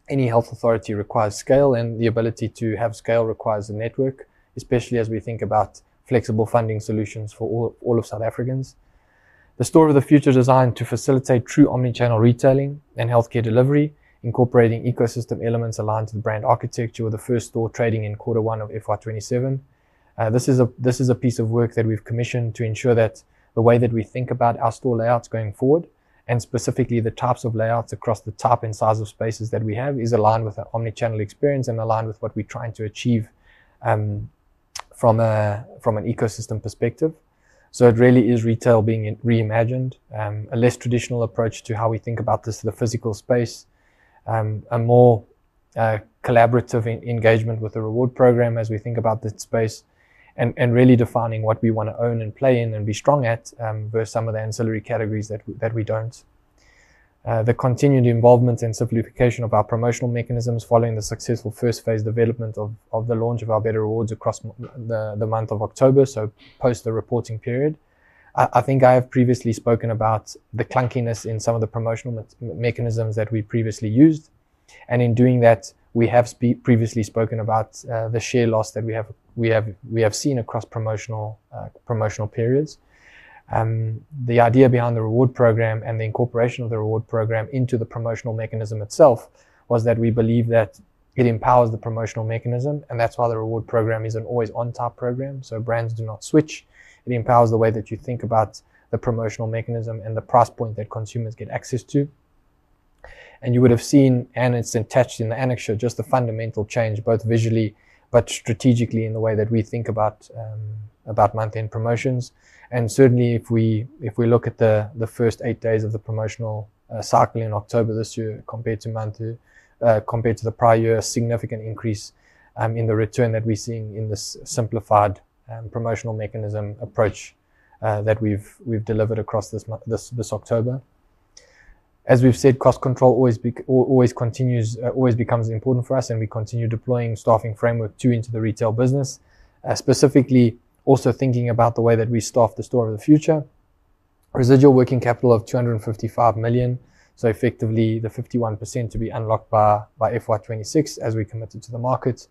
Any health authority requires scale, and the ability to have scale requires a network, especially as we think about flexible funding solutions for all South Africans. The store of the future is designed to facilitate true omnichannel retailing and healthcare delivery, incorporating ecosystem elements aligned to the brand architecture. With the first store trading in quarter one of FY2027, this is a piece of work that we've commissioned to ensure that the way that we think about our store layouts going forward, and specifically the types of layouts across the top and size of spaces that we have, is aligned with an omnichannel experience and aligned with what we're trying to achieve from an ecosystem perspective. It really is retail being reimagined, a less traditional approach to how we think about this. The physical space, a more collaborative engagement with the reward program as we think about that space, and really defining what we want to own and play in and be strong at versus some of the ancillary categories that we don't. The continued involvement and simplification of our promotional mechanisms following the successful first phase development of the launch of our Better Rewards across the month of October. Post the reporting period, I think I have previously spoken about the clunkiness in some of the promotional mechanisms that we previously used, and in doing that we have previously spoken about the share loss that we have seen across promotional periods. The idea behind the reward program and the incorporation of the reward program into the promotional mechanism itself was that we believe that it empowers the promotional mechanism, and that's why the reward program is an always-on-top program so brands do not switch. It empowers the way that you think about the promotional mechanism and the price point that consumers get access to, and you would have seen, and it's attached in the annexure, just the fundamental change both visually but strategically in the way that we think about month end promotions. Certainly, if we look at the first eight days of the promotional cycle in October this year compared to the prior year, significant increase in the return that we're seeing in this simplified promotional mechanism approach that we've delivered across this month, this October. As we've said, cost control always continues, always becomes important for us, and we continue deploying Staffing Framework 2.0 into the retail business, specifically also thinking about the way that we staff the store of the future. Residual working capital of 255 million, so effectively the 51% to be unlocked by FY2026 as we committed to the market.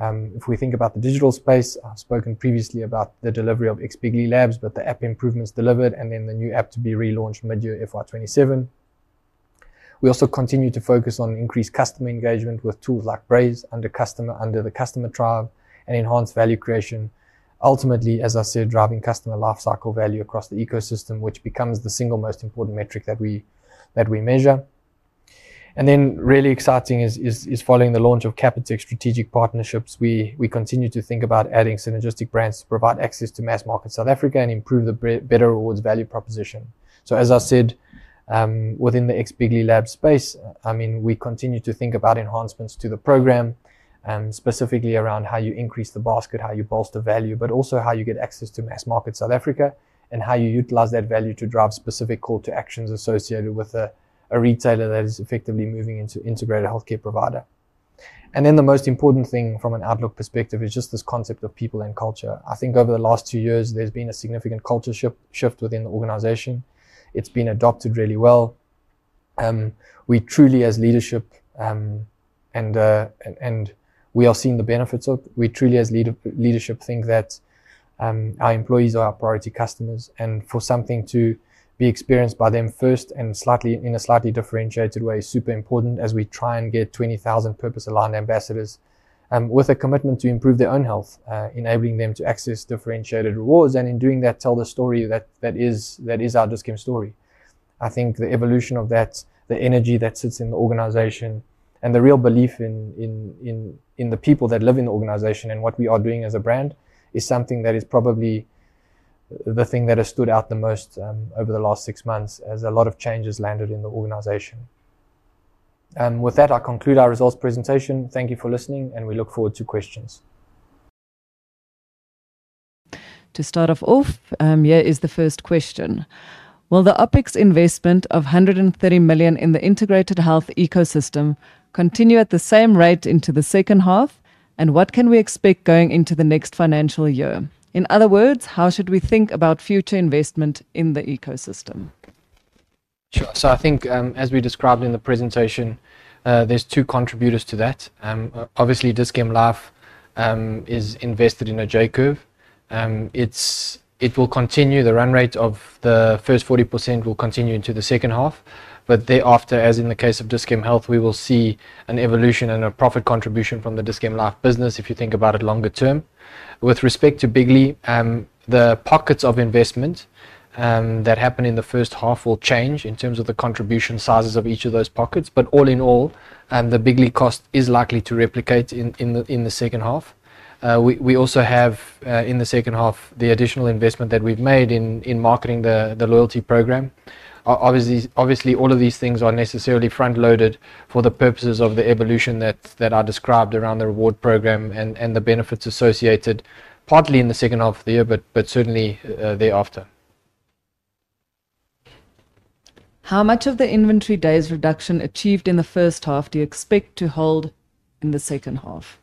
If we think about the digital space, I've spoken previously about the delivery of X, bigly labs, the app improvements delivered, and then the new app to be relaunched mid-year FY2027. We also continue to focus on increased customer engagement with tools like Braze under the customer tribe and enhanced value creation, ultimately, as I said, driving customer lifecycle value across the ecosystem, which becomes the single most important metric that we measure. Really exciting is following the launch of Capitec strategic partnerships, we continue to think about adding synergistic brands to provide access to mass market South Africa and improve the Better Rewards value proposition. As I said, within the X, bigly labs space, we continue to think about enhancements to the program, specifically around how you increase the basket, how you bolster value, but also how you get access to mass market South Africa and how you utilize that value to drive split specific call to actions associated with a retailer that is effectively moving into integrated healthcare provider. The most important thing from an outlook perspective is just this concept of people and culture. I think over the last two years there's been a significant culture shift within the organization. It's been adopted really well. We truly as leadership think that our employees are our priority customers, and for something to be experienced by them first and in a slightly differentiated way is super important as we try and get 20,000 purpose-aligned ambassadors with a commitment to improve their own health, enabling them to access differentiated rewards and in doing that tell the story. That is our Dis-Chem story. I think the evolution of that, the energy that sits in the organization, and the real belief in the people that live in the organization and what we are doing as a brand is something that is probably the thing that has stood out the most over the last six months as a lot of changes landed in the organization. With that, I conclude our results presentation. Thank you for listening and we look forward to questions. To start off, here is the first question. Will the OpEx investment of 130 million in the integrated health ecosystem continue at the same rate into the second half, and what can we expect going into the next financial year? In other words, how should we think about future investment in the ecosystem? Sure. I think as we described in the presentation, there's two contributors to that. Obviously, Dis-Chem Life is invested in a J curve. It will continue. The run rate of the first 40% will continue into the second half. Thereafter, as in the case of Dis-Chem Health, we will see an evolution and a profit contribution from the Dis-Chem Life business. If you think about it longer term with respect to bigly, the pockets of investment that happen in the first half will change in terms of the contribution sizes of each of those pockets. All in all, the bigly cost is likely to replicate in the second half. We also have in the second half the additional investment that we've made in marketing the loyalty program. Obviously, all of these things are necessarily front loaded for the purposes of the evolution that I described around the Reward program and the benefits associated partly in the second half of the year, but certainly thereafter. How much of the inventory days reduction achieved in the first half do you expect to hold in the second half?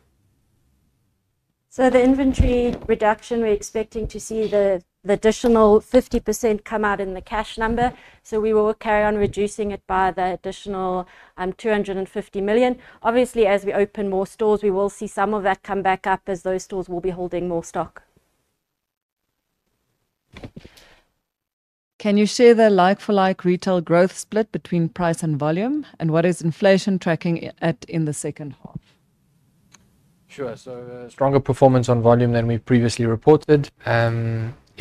The inventory reduction, we're expecting to see the additional 50% come out in the cash number. We will carry on reducing it by the additional 250 million. Obviously, as we open more stores, we will see some of that come back up as those stores will be holding more stock. Can you share the like-for-like retail growth split between price and volume, and what is inflation tracking at in the second half? Sure. Stronger performance on volume than we previously reported.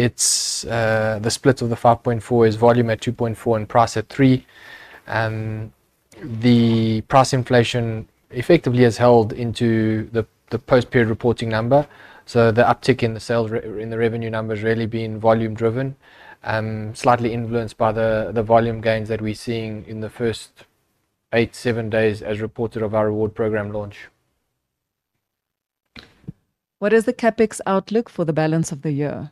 The split of the 5.4 is volume at 2.4 and price at 3. The price inflation effectively has held into the post-period reporting number. The uptick in the sales in the revenue numbers is really being volume driven, slightly influenced by the volume gains that we are seeing in the first 7 to 8 days as reported of our Reward program launch. What is the CapEx outlook for the balance of the year?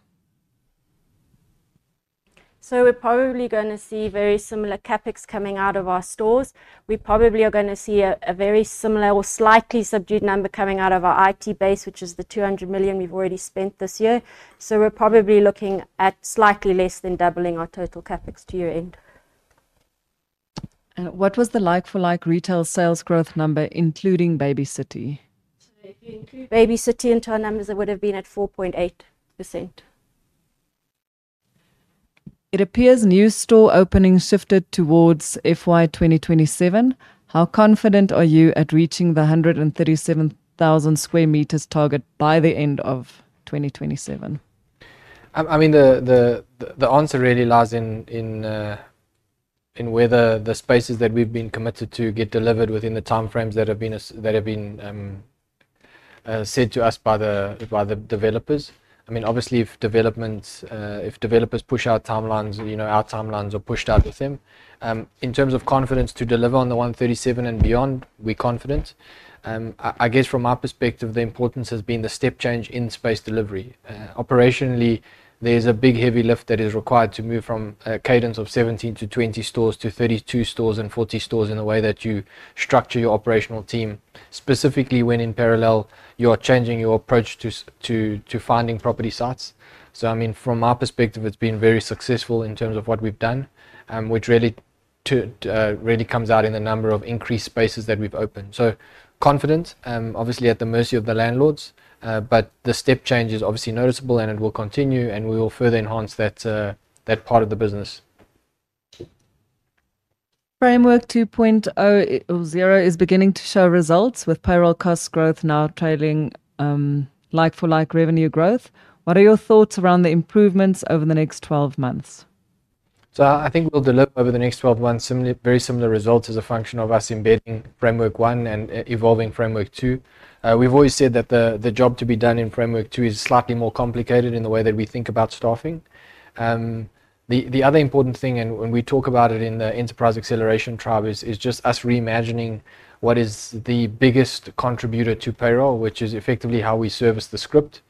We're probably going to see very similar CapEx coming out of our stores. We probably are going to see a very similar or slightly subdued number coming out of our IT base, which is the 200 million we've already spent this year. We're probably looking at slightly less than doubling our total CapEx to year end. What was the like-for-like retail sales growth number including Baby City? If you include Baby City into our numbers it would have been at 4.8%. It appears new store openings shifted towards FY 2027. How confident are you at reaching the 137,000 square meters target by the end of 2027? The answer really lies in whether the spaces that we've been committed to get delivered within the time frames that have been set to us by the developers. Obviously, if developers push out timelines, our timelines are pushed out with them. In terms of confidence to deliver on the 137,000 and beyond, we're confident. I guess from my perspective, the importance has been the step change in space delivery. Operationally, there's a big heavy lift that is required to move from a cadence of 17 to 20 stores to 32 stores and 40 stores in the way that you structure your operational team, specifically when in parallel you are changing your approach to finding property sites. From my perspective, it's been very successful in terms of what we've done, which really comes out in the number of increased spaces that we've opened. Confident, obviously at the mercy of the landlords. The step change is obviously noticeable and it will continue and we will further enhance that part of the business. Framework 2.0 is beginning to show results, with payroll costs growth now trailing like-for-like revenue growth. What are your thoughts around the improvements ovfer the next 12 months? I think we'll deliver over the next 12 months very similar results as a function of us embedding Framework 1.0 and evolving Framework 2.0.0. We've always said that the job to be done in Framework 2 is slightly more complicated in the way that we think about Staffing. The other important thing, and when we talk about it in the enterprise acceleration tribe, is just us reimagining what is the biggest contributor to payroll, which is effectively how we service the script.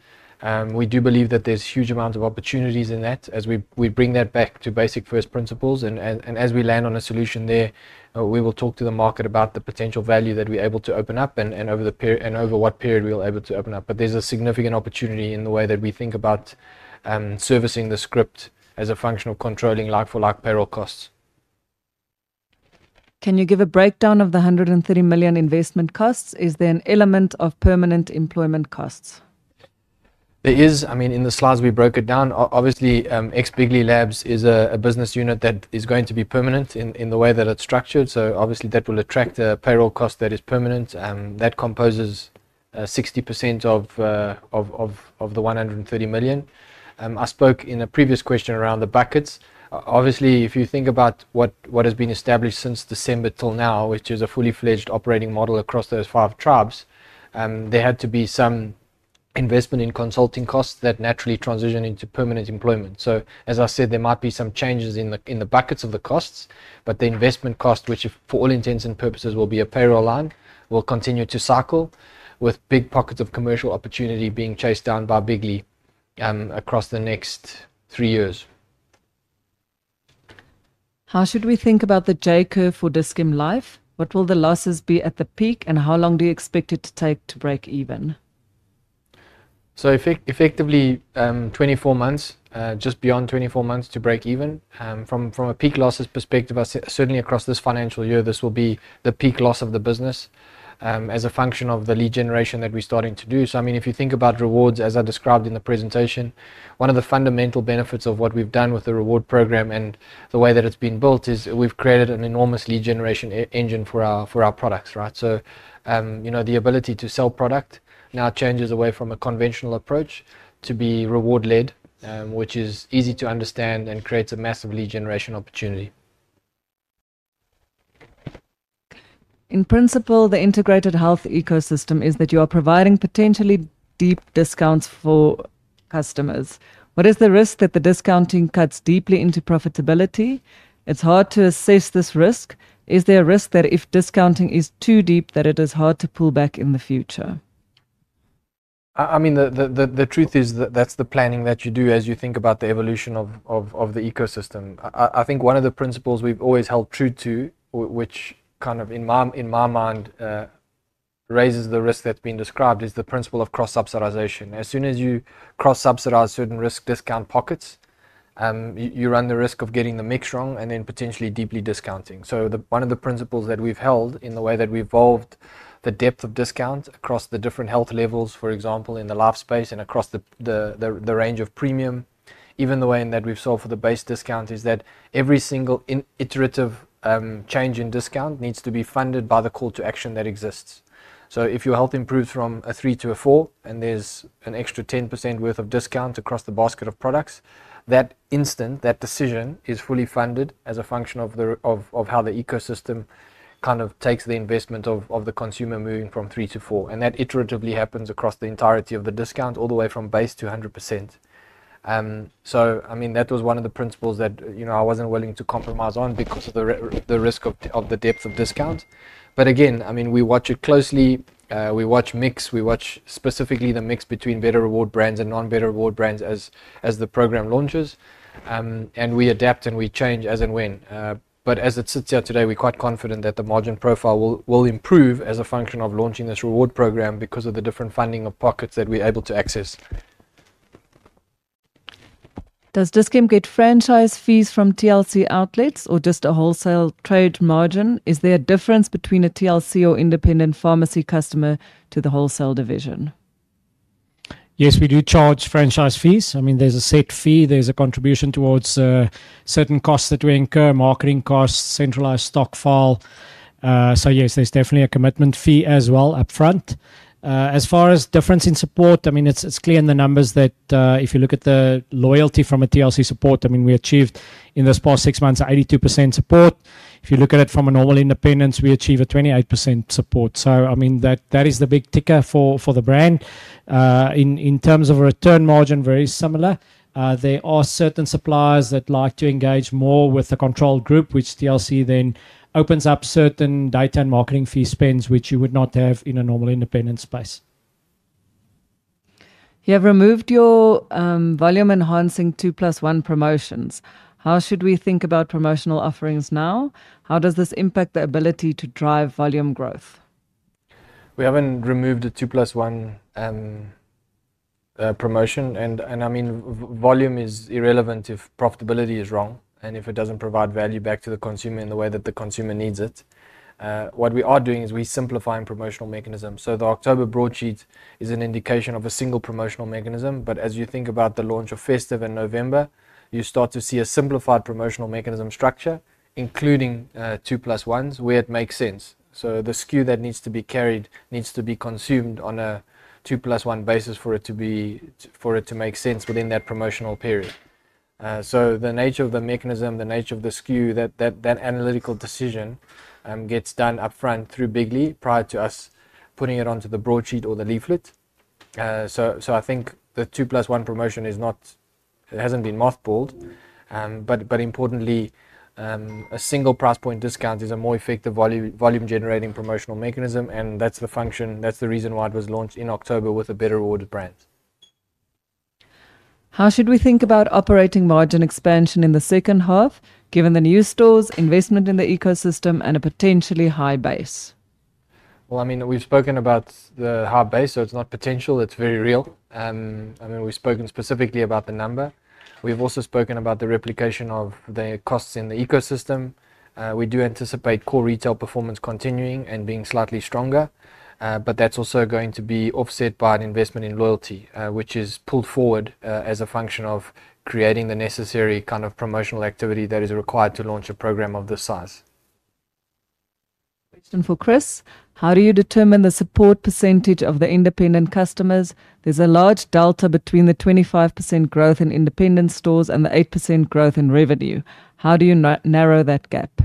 We do believe that there's huge amounts of opportunities in that as we bring that back to basic first principles and as we land on a solution there, we will talk to the market about the potential value that we're able to open up and over what period we're able to open up. There's a significant opportunity in the way that we think about servicing the script as a function of controlling like-for-like payroll costs. Can you give a breakdown of the 130 million investment costs? Is there an element of permanent employment costs? There is. I mean in the slides we broke it down obviously. X, bigly labs is a business unit that is going to be permanent in the way that it's structured. That will attract a payroll cost that is permanent, that composes 60% of the 130 million. I spoke in a previous question around the buckets. If you think about what has been established since December till now, which is a fully fledged operating model across those five Tribes, there had to be some investment in consulting costs that naturally transition into permanent employment. As I said, there might be some changes in the buckets of the costs, but the investment cost, which for all intents and purposes will be a payroll line, will continue to cycle, with big pockets of commercial opportunity being chased down by bigly across the next three years. How should we think about the J curve for Dis-Chem Life? What will the losses be at the peak, and how long do you expect it to take to break even? Effectively 24 months, just beyond 24 months to break even. From a peak losses perspective, certainly across this financial year, this will be the peak loss of the business as a function of the lead generation that we're starting to do. If you think about rewards, as I described in the presentation, one of the fundamental benefits of what we've done with the reward program and the way that it's been built is we've created an enormous lead generation engine for our products. The ability to sell product now changes away from a conventional approach to be reward led, which is easy to understand and creates a massive lead generation opportunity. In principle, the integrated health ecosystem is that you are providing potentially deep discounts for customers. What is the risk that the discounting cuts deeply into profitability? It's hard to assess this risk. Is there a risk that if discounting is too deep, that it is hard to pull back in the future? I mean the truth is that's the planning that you do as you think about the evolution of the ecosystem. I think one of the principles we've always held true to, which kind of in my mind raises the risk that's been described, is the principle of cross subsidization. As soon as you cross subsidize certain risk discount pockets, you run the risk of getting the mix wrong and then potentially deeply discounting. One of the principles that we've held in the way that we evolved the depth of discount across the different health levels, for example in the LifeSpace and across the range of premium, even the way in that we've sold for the base discount, is that every single iterative change in discount needs to be funded by the call to action that exists. If your health improves from a 3 to a 4 and there's an extra 10% worth of discount across the basket of products, that instant, that decision is fully funded as a function of how the ecosystem kind of takes the investment of the consumer moving from 3 to 4. That iteratively happens across the entirety of the discount all the way from base to 100%. That was one of the principles that I wasn't willing to compromise on because of the risk of the depth of discount. We watch it closely. We watch mix, we watch specifically the mix between Better Rewards brands and non-Better Rewards brands as the program launches and we adapt and we change as and when. As it sits here today, we're quite confident that the margin profile will improve as a function of launching this reward program because of the different funding of pockets that we're able to access. Does Dis-Chem get franchise fees from TLC outlets or just a wholesale trade margin? Is there a difference between a TLC or independent pharmacy customer to the wholesale division? Yes, we do charge franchise fees. I mean there's a set fee, there's a contribution towards certain costs that we incur, marketing costs, centralized stock file. Yes, there's definitely a commitment fee as well upfront. As far as difference in support, it's clear in the numbers that if you look at the loyalty from a TLC support, we achieved in this past six months, 82% support. If you look at it from a normal independence, we achieve a 28% support. That is the big ticker for the brand in terms of a return margin. Very similar, there are certain suppliers that like to engage more with the control group, which TLC then opens up certain data and marketing fee spends, which you would not have in a normal independent space. You have removed your volume-enhancing two plus one promotions. How should we think about promotional offerings now? How does this impact the ability to drive volume growth? We haven't removed the two plus one promotion. I mean, volume is irrelevant if profitability is wrong and if it doesn't provide value back to the consumer in the way that the consumer needs it. What we are doing is we are simplifying promotional mechanisms. The October broadsheet is an indication of a single promotional mechanism. As you think about the launch of Festive in November, you start to see a simplified promotional mechanism structure, including two plus ones where it makes sense. The SKU that needs to be carried needs to be consumed on a two plus one basis for it to make sense within that promotional period. The nature of the mechanism, the nature of the SKU, that analytical decision gets done upfront through bigly prior to us putting it onto the broadsheet or the leaflet. I think the two plus one promotion hasn't been mothballed, but importantly, a single price point discount is a more effective volume-generating promotional mechanism. That's the reason why it was launched in October with a better order brand. How should we think about operating margin expansion in the second half given the new stores, investment in the ecosystem, and a potentially high base? We have spoken about the hard base, so it's not potential, it's very real. We have spoken specifically about the number. We have also spoken about the replication of the costs in the ecosystem. We do anticipate core retail performance continuing and being slightly stronger. That is also going to be offset by an investment in loyalty, which is pulled forward as a function of creating the necessary kind of promotional activity that is required to launch a program of this size. Question for Chris. How do you determine the support percentage of the independent customers? There's a large delta between the 25% growth in independent stores and the 8% growth in revenue. How do you narrow that gap?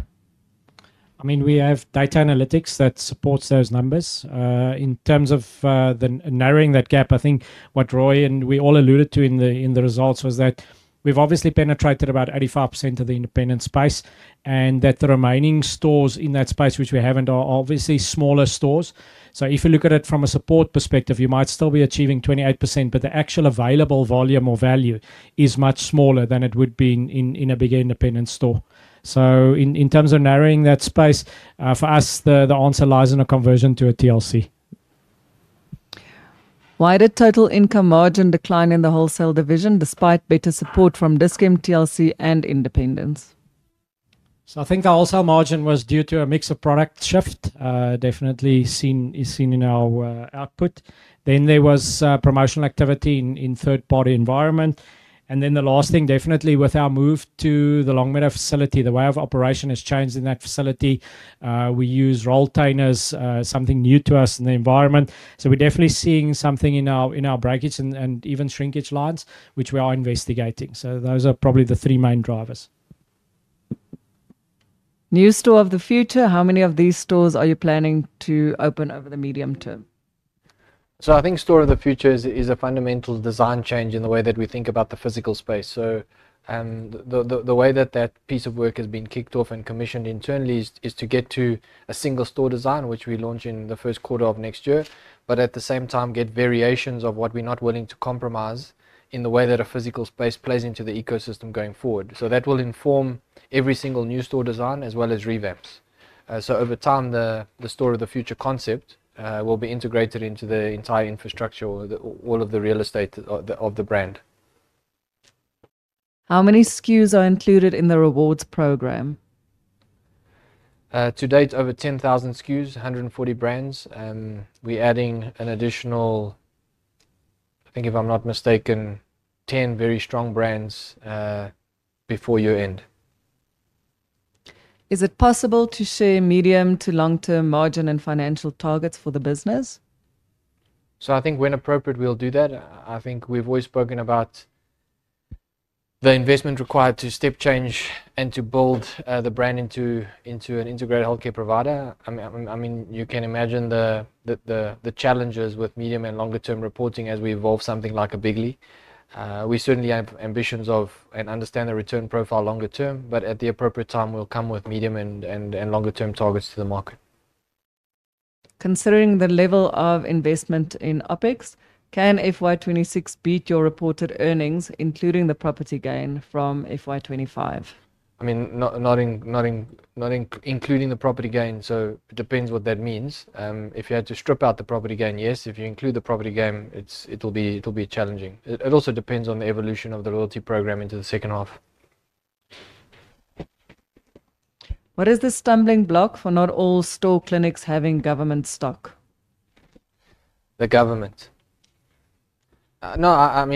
I mean we have data analytics that supports those numbers. In terms of narrowing that gap, I think what Rui and we all alluded to in the results was that we've obviously penetrated about 85% of the independent space and that the remaining stores in that space, which we haven't, are obviously smaller stores. If you look at it from a support perspective, you might still be achieving 28% but the actual available volume or value is much smaller than it would be in a bigger independent store. In terms of narrowing that space for us the answer lies in a conversion to a TLC franchise model. Why did total income margin decline in the wholesale division despite better support from Dis-Chem, TLC and independents? I think the wholesale margin was due to a mix of product shift, definitely is seen in our output. There was promotional activity in third party environment, and the last thing, definitely with our move to the Longmeadow facility, the way of operation has changed. In that facility we use roll tainers, something new to us in the environment. We're definitely seeing something in our breakage and even shrinkage lines, which we are investigating. Those are probably the three main drivers. New store of the future, how many of these stores are you planning to open over the medium term? I think store of the future is a fundamental design change in the way that we think about the physical space. The way that that piece of work has been kicked off and commissioned internally is to get to a single store design which we launch in the first quarter of next year, but at the same time get variations of what we're not willing to compromise in the way that a physical space plays into the ecosystem going forward. That will inform every single new store design as well as revamps. Over time, the store of the future concept will be integrated into the entire infrastructure or all of the real estate of the brand. How many SKUs are included in the rewards program? To date, over 10,000 SKUs, 140 brands. We're adding an additional, I think if I'm not mistaken, 10 very strong brands before year end. Is it possible to share medium to long term margin and financial targets for the business? I think when appropriate we'll do that. I think we've always spoken about the investment required to step change and to build the brand into an integrated healthcare provider. I mean you can imagine the challenges with medium and longer term reporting as we evolve something like a big league. We certainly have ambitions of and understand the return profile longer term, but at the appropriate time we'll come with medium and longer term targets to the market. Considering the level of investment in OpEx, can FY2026 beat your reported earnings including the property gain from FY2025? I mean not including the property gain. It depends what that means. If you had to strip out the property gain, yes. If you include the property gain, it'll be challenging. It also depends on the evolution of the loyalty program into the second half. What is the stumbling block for not all store clinics having government stock? The government? No,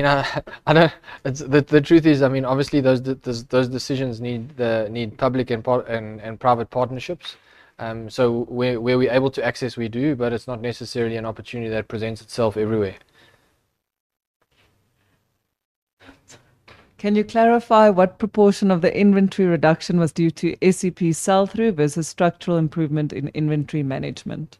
the truth is, obviously those decisions need public and private partnerships. Where we're able to access, we do, but it's not necessarily an opportunity that presents itself everywhere. Can you clarify what proportion of the inventory reduction was due to SEP sell through versus structural improvement in inventory management?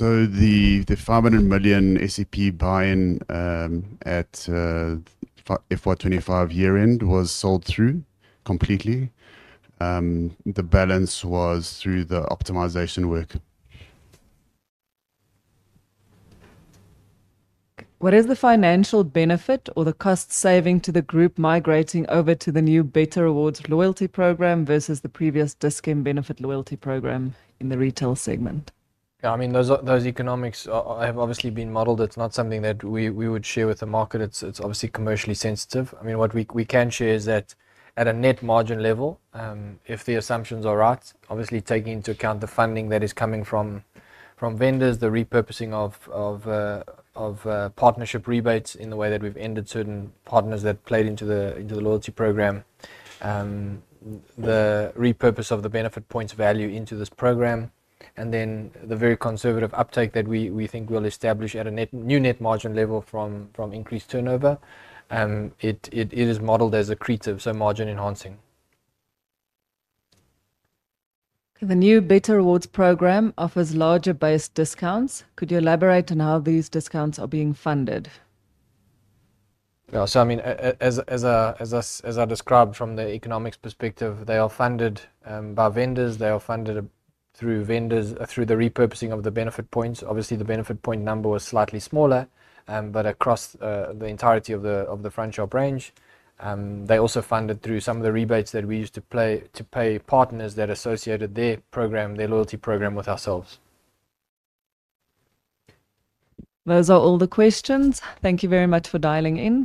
The 500 million SEP buy. In at FY2025 year end, was sold through completely. The balance was through the optimization work. What is the financial benefit or the cost saving to the group migrating over to the new Better Rewards loyalty program versus the previous Dis-Chem benefit loyalty program in the retail segment? Those economics have obviously been modeled. It's not something that we would share with the market. It's obviously commercially sensitive. What we can share is that at a net margin level, if the assumptions are right, obviously taking into account the funding that is coming from vendors, the repurposing of partnership rebates in the way that we've ended certain partners that played into the loyalty program, the repurpose of the benefit points value into this program, and then the very conservative uptake that we think will establish at a new net margin level from increased turnover, it is modeled as accretive. So margin enhancing. The new Better Rewards program offers larger based discounts. Could you elaborate on how these discounts are being funded? As I described from the economics perspective, they are funded by vendors. They are funded through vendors, through the repurposing of the benefit points. Obviously, the benefit point number was slightly smaller, but across the entirety of the front shop range, they are also funded through some of the rebates that we used to pay partners that associated their loyalty program with ourselves. Those are all the questions. Thank you very much for dialing in.